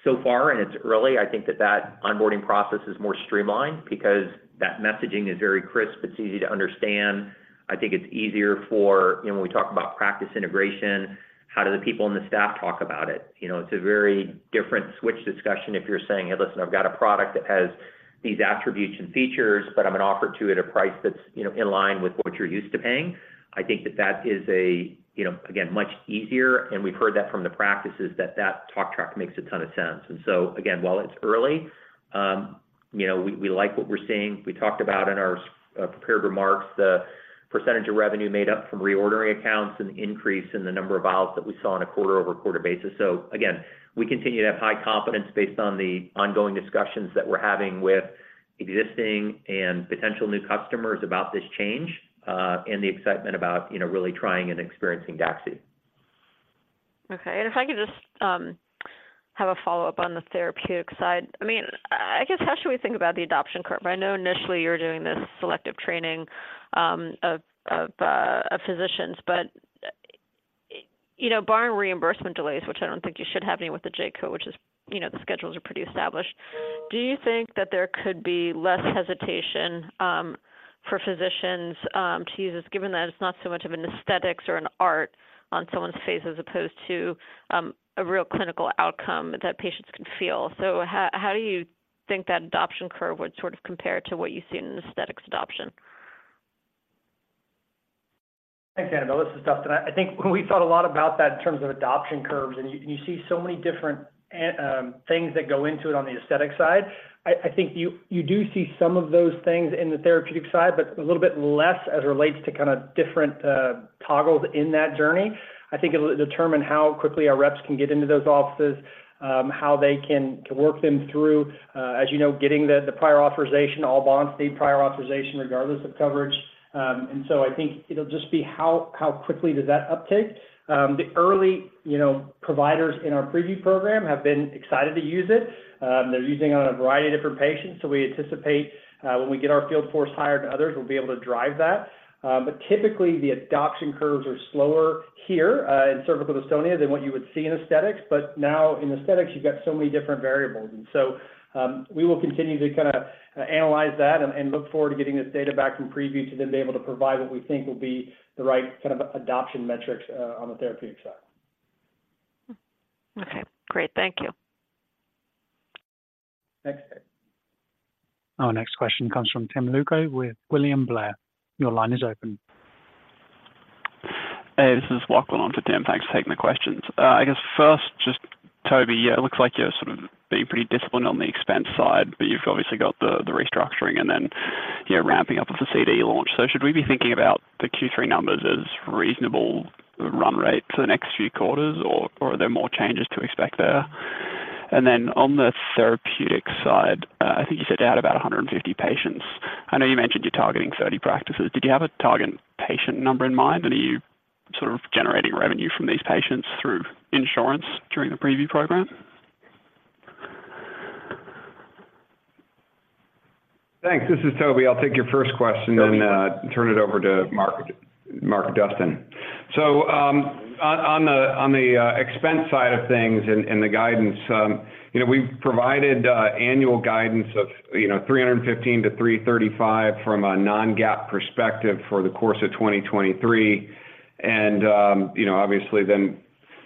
so far, and it's early, I think that that onboarding process is more streamlined because that messaging is very crisp. It's easy to understand. I think it's easier for, you know, when we talk about practice integration, how do the people on the staff talk about it? You know, it's a very different switch discussion if you're saying, "Hey, listen, I've got a product that has these attributes and features, but I'm going to offer it to you at a price that's, you know, in line with what you're used to paying." I think that that is a, you know, again, much easier, and we've heard that from the practices that that talk track makes a ton of sense. And so again, while it's early, you know, we like what we're seeing. We talked about in our prepared remarks, the percentage of revenue made up from reordering accounts and the increase in the number of vials that we saw on a quarter-over-quarter basis. So again, we continue to have high confidence based on the ongoing discussions that we're having with existing and potential new customers about this change, and the excitement about, you know, really trying and experiencing Daxi. Okay. And if I could just have a follow-up on the therapeutic side. I mean, I guess, how should we think about the adoption curve? I know initially you were doing this selective training of physicians, but, you know, barring reimbursement delays, which I don't think you should have any with the J-code, which is, you know, the schedules are pretty established. Do you think that there could be less hesitation for physicians to use this, given that it's not so much of an aesthetics or an art on someone's face as opposed to a real clinical outcome that patients can feel? So how do you think that adoption curve would sort of compare to what you see in an aesthetics adoption? Thanks, Annabel. This is Dustin. I think we thought a lot about that in terms of adoption curves, and you see so many different things that go into it on the aesthetic side. I think you do see some of those things in the therapeutic side, but a little bit less as it relates to kind of different toggles in that journey. I think it'll determine how quickly our reps can get into those offices, how they can work them through, as you know, getting the prior authorization. All brands need prior authorization regardless of coverage. And so I think it'll just be how quickly does that uptake. You know, the early providers in our PrevU program have been excited to use it. They're using it on a variety of different patients, so we anticipate when we get our field force hired and others, we'll be able to drive that. But typically, the adoption curves are slower here in cervical dystonia than what you would see in aesthetics. But now in aesthetics, you've got so many different variables. And so, we will continue to kinda analyze that and look forward to getting this data back from PrevU to then be able to provide what we think will be the right kind of adoption metrics on the therapeutic side. Okay, great. Thank you. Thanks. Our next question comes from Tim Lugo with William Blair. Your line is open. Hey, this is Lachlan on for Tim. Thanks for taking the questions. I guess first, just Toby, it looks like you're sort of being pretty disciplined on the expense side, but you've obviously got the restructuring and then, yeah, ramping up with the CD launch. So should we be thinking about the Q3 numbers as reasonable run rate for the next few quarters, or are there more changes to expect there? And then on the therapeutic side, I think you said you had about 150 patients. I know you mentioned you're targeting 30 practices. Did you have a target patient number in mind, and are you sort of generating revenue from these patients through insurance during the PrevU program? Thanks. This is Toby. I'll take your first question then turn it over to Mark and Dustin. So, on the expense side of things and the guidance, you know, we've provided annual guidance of $315 million-$335 million from a non-GAAP perspective for the course of 2023. And, you know, obviously,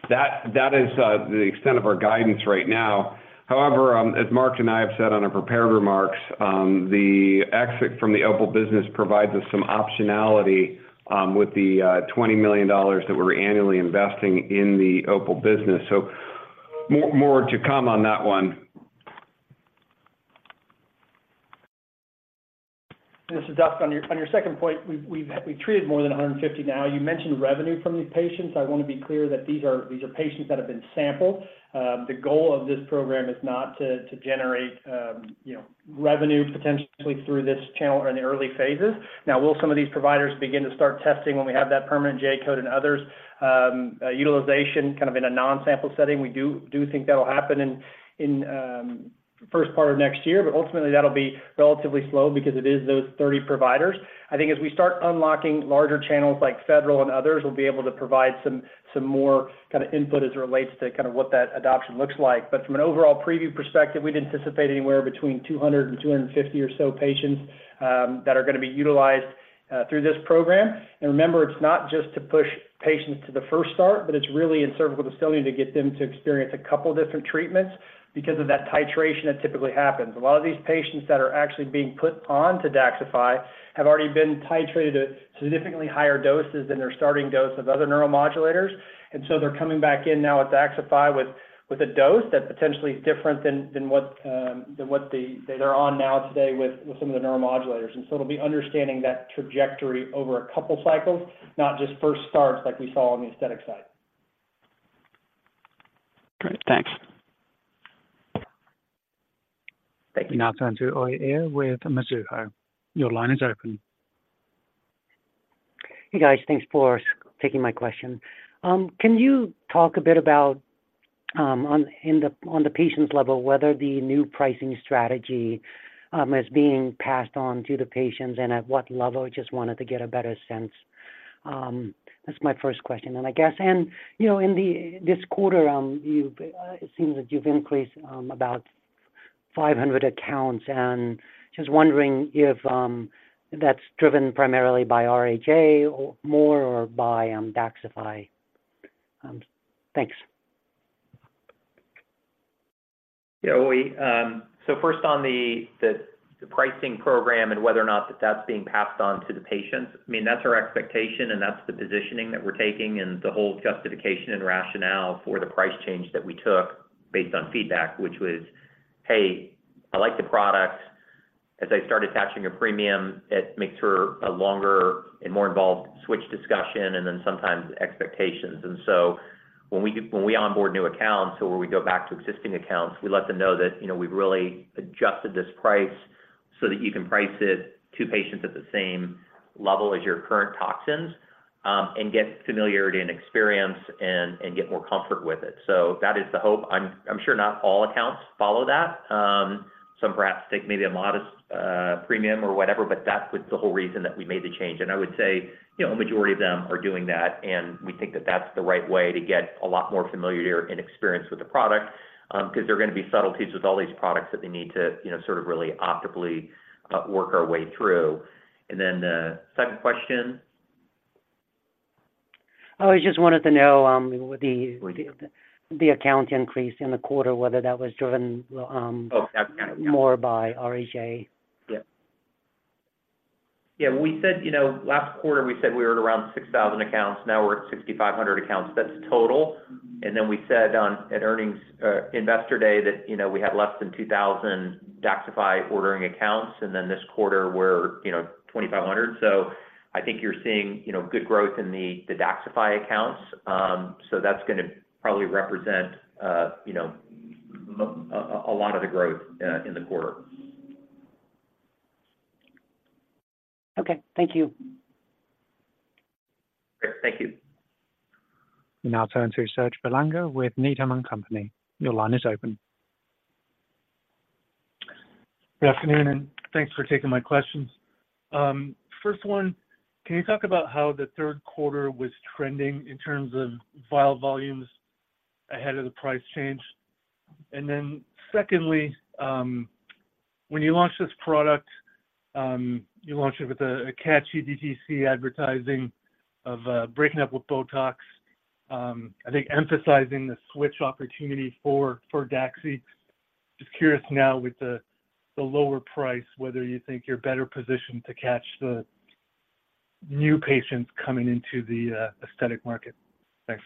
that is the extent of our guidance right now. However, as Mark and I have said on our prepared remarks, the exit from the OPUL business provides us some optionality with the $20 million that we're annually investing in the OPUL business. So more to come on that one. This is Dustin. On your second point, we've treated more than 150 now. You mentioned revenue from these patients. I want to be clear that these are patients that have been sampled. The goal of this program is not to generate, you know, revenue potentially through this channel or in the early phases. Now, will some of these providers begin to start testing when we have that permanent J-code and others, utilization kind of in a non-sample setting? We do think that will happen in first part of next year, but ultimately, that'll be relatively slow because it is those 30 providers. I think as we start unlocking larger channels like federal and others, we'll be able to provide some more kind of input as it relates to kind of what that adoption looks like. But from an overall PrevU perspective, we'd anticipate anywhere between 200 and 250 or so patients that are gonna be utilized through this program. And remember, it's not just to push patients to the first start, but it's really in cervical dystonia to get them to experience a couple different treatments because of that titration that typically happens. A lot of these patients that are actually being put on to DAXXIFY have already been titrated at significantly higher doses than their starting dose of other neuromodulators. And so they're coming back in now with DAXXIFY, with a dose that potentially is different than what they're on now today with some of the neuromodulators. And so it'll be understanding that trajectory over a couple cycles, not just first starts like we saw on the aesthetic side. Great, thanks. Thank you. Now turn Uy Ear with Mizuho. Your line is open. Hey, guys. Thanks for taking my question. Can you talk a bit about, on the patients level, whether the new pricing strategy is being passed on to the patients and at what level? I just wanted to get a better sense, that's my first question. And, you know, in this quarter, you've it seems that you've increased about 500 accounts, and just wondering if that's driven primarily by RHA or more, or by DAXXIFY. Thanks. Yeah, Uy, so first on the pricing program and whether or not that's being passed on to the patients, I mean, that's our expectation, and that's the positioning that we're taking and the whole justification and rationale for the price change that we took based on feedback, which was, "Hey, I like the product. As I start attaching a premium, it makes for a longer and more involved switch discussion and then sometimes expectations." And so when we onboard new accounts or when we go back to existing accounts, we let them know that, you know, we've really adjusted this price so that you can price it to patients at the same level as your current toxins, and get familiarity and experience and get more comfort with it. So that is the hope. I'm sure not all accounts follow that. Some perhaps take maybe a modest premium or whatever, but that was the whole reason that we made the change. I would say, you know, a majority of them are doing that, and we think that that's the right way to get a lot more familiarity and experience with the product, because there are gonna be subtleties with all these products that they need to, you know, sort of really optimally work our way through. Then the second question? I just wanted to know, with the account increase in the quarter, whether that was driven, Oh, absolutely. - more by RHA? Yeah. Yeah, we said, you know, last quarter, we said we were at around 6,000 accounts, now we're at 6,500 accounts. That's total. And then we said on, at earnings, Investor Day that, you know, we had less than 2,000 DAXXIFY ordering accounts, and then this quarter we're, you know, 2,500. So I think you're seeing, you know, good growth in the DAXXIFY accounts. So that's gonna probably represent, you know, a lot of the growth in the quarter. Okay, thank you. Great. Thank you. We now turn to Serge Belanger with Needham and Company. Your line is open. Good afternoon, and thanks for taking my questions. First one, can you talk about how the Q3 was trending in terms of fill volumes ahead of the price change? And then secondly, when you launched this product, you launched it with a catchy DTC advertising of breaking up with Botox. I think emphasizing the switch opportunity for Daxi. Just curious now, with the lower price, whether you think you're better positioned to catch the new patients coming into the aesthetic market. Thanks.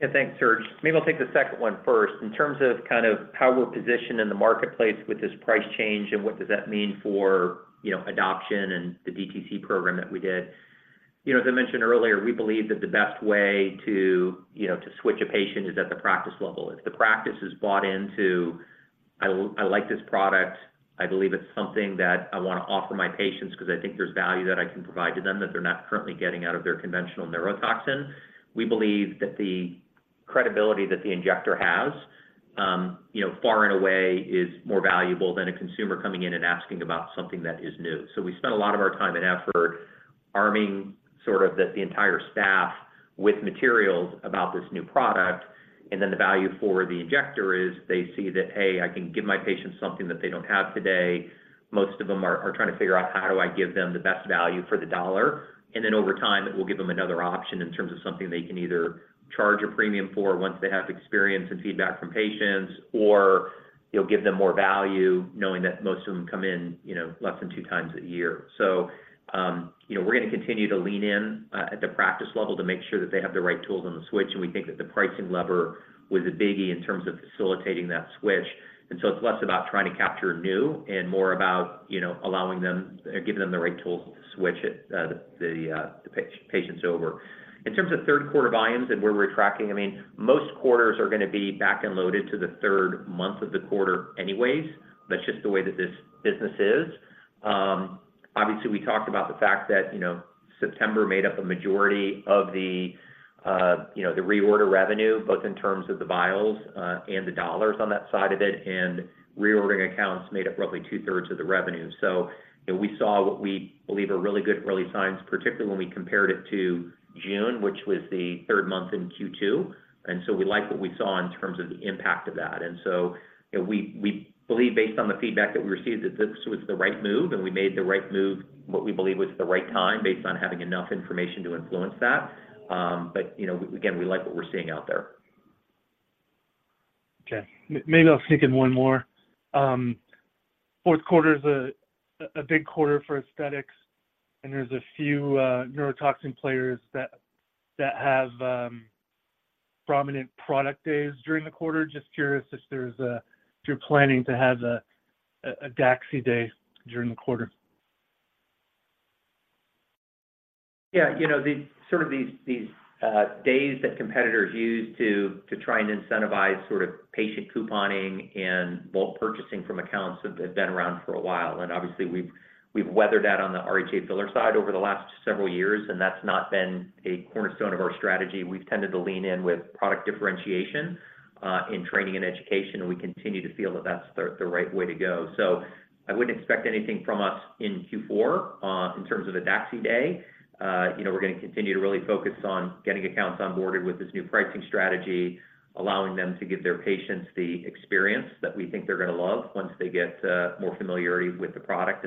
Yeah, thanks, Serge. Maybe I'll take the second one first. In terms of kind of how we're positioned in the marketplace with this price change and what does that mean for, you know, adoption and the DTC program that we did. You know, as I mentioned earlier, we believe that the best way to, you know, to switch a patient is at the practice level. If the practice is bought into, "I like this product, I believe it's something that I want to offer my patients because I think there's value that I can provide to them that they're not currently getting out of their conventional neurotoxin," we believe that the credibility that the injector has, you know, far and away is more valuable than a consumer coming in and asking about something that is new. So we spent a lot of our time and effort arming sort of the entire staff with materials about this new product, and then the value for the injector is they see that, "Hey, I can give my patients something that they don't have today." Most of them are trying to figure out, "How do I give them the best value for the dollar?" And then over time, it will give them another option in terms of something they can either charge a premium for once they have experience and feedback from patients, or, you know, give them more value, knowing that most of them come in, you know, less than two times a year. So, you know, we're gonna continue to lean in at the practice level to make sure that they have the right tools on the switch, and we think that the pricing lever was a biggie in terms of facilitating that switch. So it's less about trying to capture new and more about, you know, allowing them or giving them the right tools to switch it, the patients over. In terms of Q3 volumes and where we're tracking, I mean, most quarters are gonna be back-ended loaded to the third month of the quarter anyways. That's just the way that this business is. Obviously, we talked about the fact that, you know, September made up a majority of the, you know, the reorder revenue, both in terms of the vials, and the dollars on that side of it, and reordering accounts made up roughly 2/3 of the revenue. You know, we saw what we believe are really good early signs, particularly when we compared it to June, which was the third month in Q2. We like what we saw in terms of the impact of that. You know, we, we believe, based on the feedback that we received, that this was the right move, and we made the right move, what we believe was the right time, based on having enough information to influence that. You know, again, we like what we're seeing out there. Okay, maybe I'll sneak in one more. Q4 is a big quarter for aesthetics, and there's a few neurotoxin players that have prominent product days during the quarter. Just curious if you're planning to have a Daxi day during the quarter. Yeah, you know, these sort of days that competitors use to try and incentivize sort of patient couponing and bulk purchasing from accounts have been around for a while. And obviously, we've weathered that on the RHA filler side over the last several years, and that's not been a cornerstone of our strategy. We've tended to lean in with product differentiation in training and education, and we continue to feel that that's the right way to go. So I wouldn't expect anything from us in Q4 in terms of a DAXI day. You know, we're gonna continue to really focus on getting accounts onboarded with this new pricing strategy, allowing them to give their patients the experience that we think they're gonna love once they get more familiarity with the product.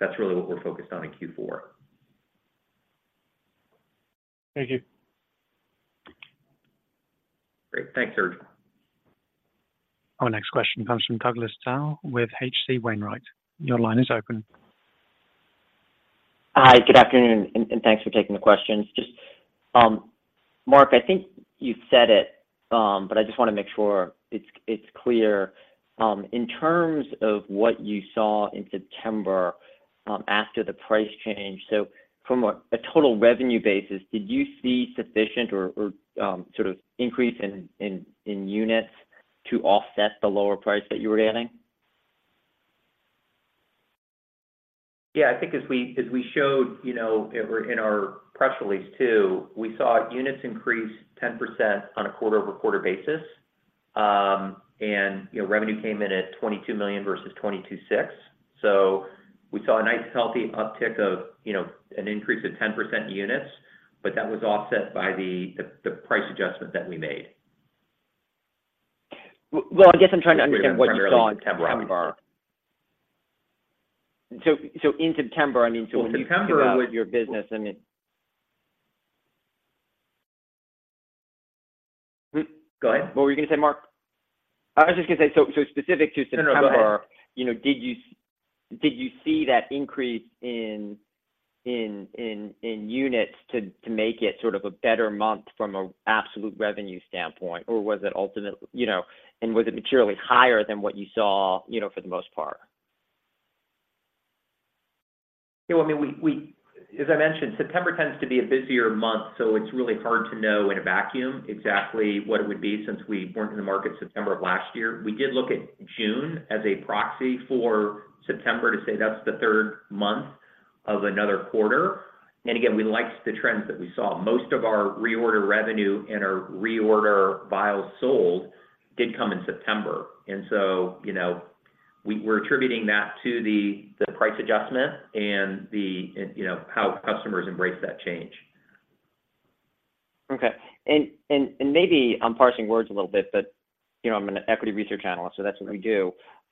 That's really what we're focused on in Q4. Thank you. Great. Thanks, Serge. Our next question comes from Douglas Tsao with H.C. Wainwright. Your line is open. Hi, good afternoon, and thanks for taking the questions. Just, Mark, I think you said it, but I just want to make sure it's clear. In terms of what you saw in September, after the price change, so from a total revenue basis, did you see sufficient or sort of increase in units to offset the lower price that you were getting? Yeah, I think as we, as we showed, you know, in our, in our press release, too, we saw units increase 10% on a quarter-over-quarter basis. And, you know, revenue came in at $22 million versus $22.6 million. So we saw a nice, healthy uptick of, you know, an increase of 10% in units, but that was offset by the, the, the price adjustment that we made. Well, I guess I'm trying to understand what you saw in September. So in September, I mean, so- In September- Your business, I mean. Go ahead. What were you going to say, Mark? I was just going to say, so specific to September, you know, did you see that increase in units to make it sort of a better month from an absolute revenue standpoint? Or was it ultimately, you know, and was it materially higher than what you saw, you know, for the most part? Well, I mean, as I mentioned, September tends to be a busier month, so it's really hard to know in a vacuum exactly what it would be since we weren't in the market September of last year. We did look at June as a proxy for September to say that's the third month of another quarter. And again, we liked the trends that we saw. Most of our reorder revenue and our reorder vials sold did come in September. And so, you know, we're attributing that to the price adjustment and you know, how customers embrace that change. Okay. Maybe I'm parsing words a little bit, but you know, I'm an equity research analyst, so that's what we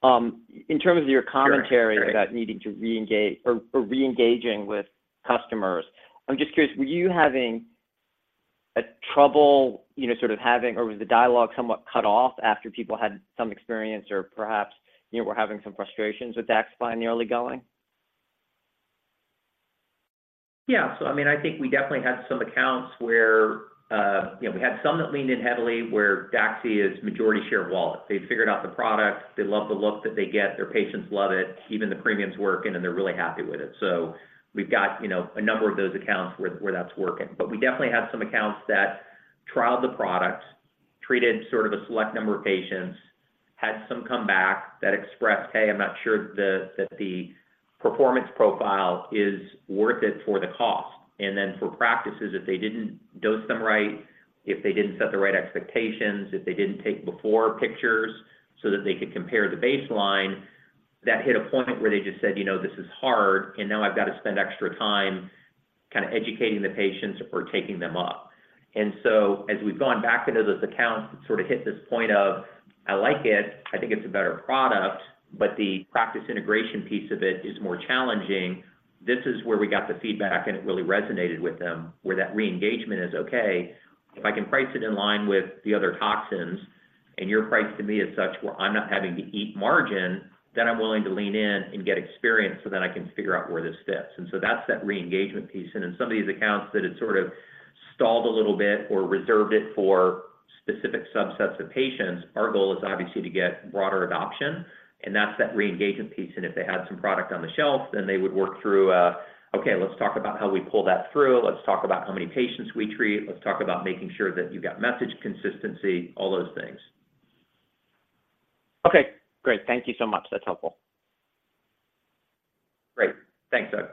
do. In terms of your commentary about needing to reengage or reengaging with customers, I'm just curious, were you having a trouble, you know, sort of having, or was the dialogue somewhat cut off after people had some experience or perhaps, you know, were having some frustrations with DAXXIFY nearly going? Yeah, so I mean, I think we definitely had some accounts where, you know, we had some that leaned in heavily, where DAXI is majority share wallet. They've figured out the product, they love the look that they get, their patients love it, even the premiums work, and then they're really happy with it. So we've got, you know, a number of those accounts where that's working. But we definitely have some accounts that trialed the product, treated sort of a select number of patients, had some come back that expressed, "Hey, I'm not sure that the performance profile is worth it for the cost." And then for practices, if they didn't dose them right, if they didn't set the right expectations, if they didn't take before pictures so that they could compare the baseline, that hit a point where they just said, you know, this is hard, and now I've got to spend extra time kind of educating the patients or taking them up. And so as we've gone back into those accounts, it sort of hit this point of, I like it, I think it's a better product, but the practice integration piece of it is more challenging. This is where we got the feedback, and it really resonated with them, where that reengagement is, okay, if I can price it in line with the other toxins, and your price to me is such where I'm not having to eat margin, then I'm willing to lean in and get experience so then I can figure out where this fits. And so that's that reengagement piece. And in some of these accounts, that it sort of stalled a little bit or reserved it for specific subsets of patients, our goal is obviously to get broader adoption, and that's that reengagement piece. And if they had some product on the shelf, then they would work through, okay, let's talk about how we pull that through. Let's talk about how many patients we treat. Let's talk about making sure that you've got message consistency, all those things. Okay, great. Thank you so much. That's helpful. Great. Thanks, Doug.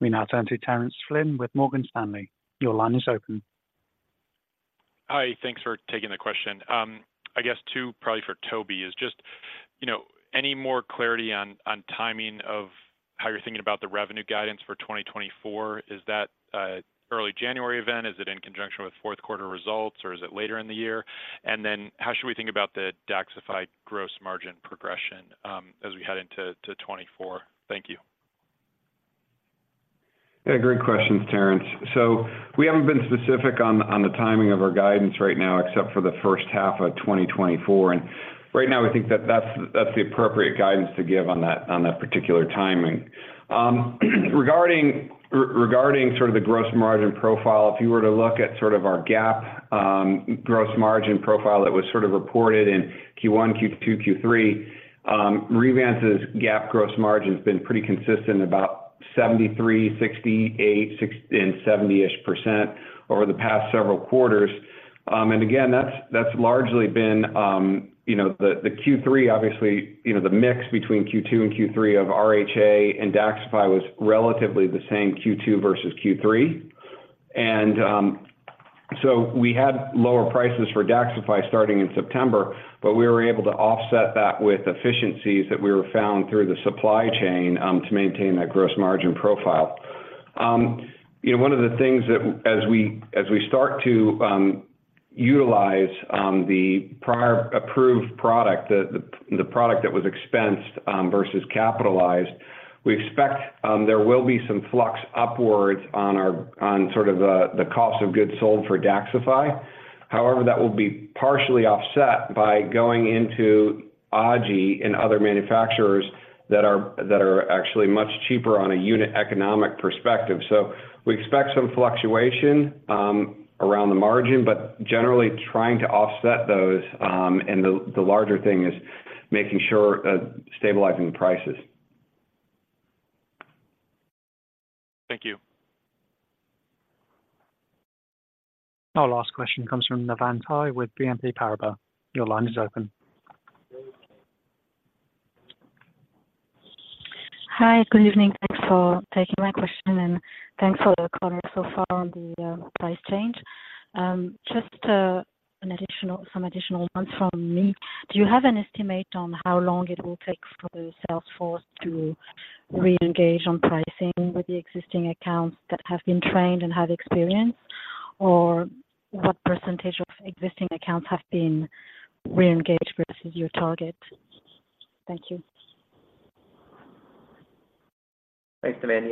We now turn to Terence Flynn with Morgan Stanley. Your line is open. Hi, thanks for taking the question. I guess two, probably for Toby, is just, you know, any more clarity on, on timing of how you're thinking about the revenue guidance for 2024? Is that early January event, is it in conjunction with Q4 results, or is it later in the year? And then how should we think about the DAXXIFY gross margin progression, as we head into 2024? Thank you. Yeah, great questions, Terence. So, we haven't been specific on the timing of our guidance right now except for the first half of 2024. Right now, I think that that's the appropriate guidance to give on that particular timing. Regarding sort of the gross margin profile, if you were to look at sort of our GAAP gross margin profile, it was sort of reported in Q1, Q2, Q3. Revance's GAAP gross margin has been pretty consistent, about 73, 68, 66, and 70-ish% over the past several quarters. And again, that's largely been, you know, the Q3, obviously, you know, the mix between Q2 and Q3 of RHA and DAXXIFY was relatively the same Q2 versus Q3. So, we had lower prices for DAXXIFY starting in September, but we were able to offset that with efficiencies that we found through the supply chain to maintain that gross margin profile. You know, one of the things that as we start to utilize the prior approved product, the product that was expensed versus capitalized, we expect there will be some flux upwards on our, on sort of, the cost of goods sold for DAXXIFY. However, that will be partially offset by going into Ajinomoto and other manufacturers that are actually much cheaper on a unit economic perspective. So, we expect some fluctuation around the margin, but generally trying to offset those, and the larger thing is making sure stabilizing the prices. Thank you. Our last question comes from Navann Ty with BNP Paribas. Your line is open. Hi, good evening. Thanks for taking my question, and thanks for the comment so far on the price change. Just, an additional, some additional ones from me. Do you have an estimate on how long it will take for the salesforce to reengage on pricing with the existing accounts that have been trained and have experience? Or what percentage of existing accounts have been reengaged versus your target? Thank you. Thanks, Navann.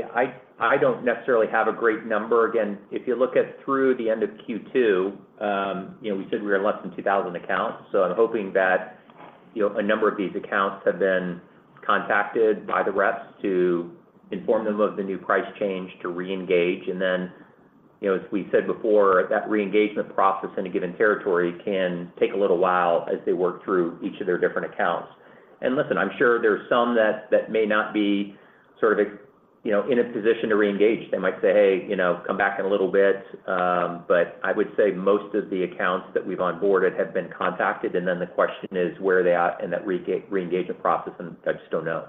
I don't necessarily have a great number. Again, if you look at through the end of Q2, you know, we said we were less than 2,000 accounts. So I'm hoping that, you know, a number of these accounts have been contacted by the reps to inform them of the new price change to reengage. And then, you know, as we said before, that reengagement process in a given territory can take a little while as they work through each of their different accounts. And listen, I'm sure there are some that may not be sort of, you know, in a position to reengage. They might say, "Hey, you know, come back in a little bit." But I would say most of the accounts that we've onboarded have been contacted, and then the question is, where are they at in that reengagement process? I just don't know.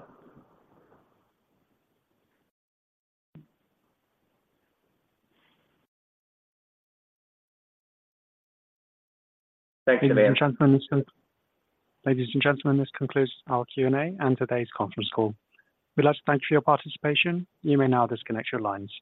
Thanks, Navann. Ladies and gentlemen, this concludes our Q&A and today's conference call. We'd like to thank you for your participation. You may now disconnect your lines.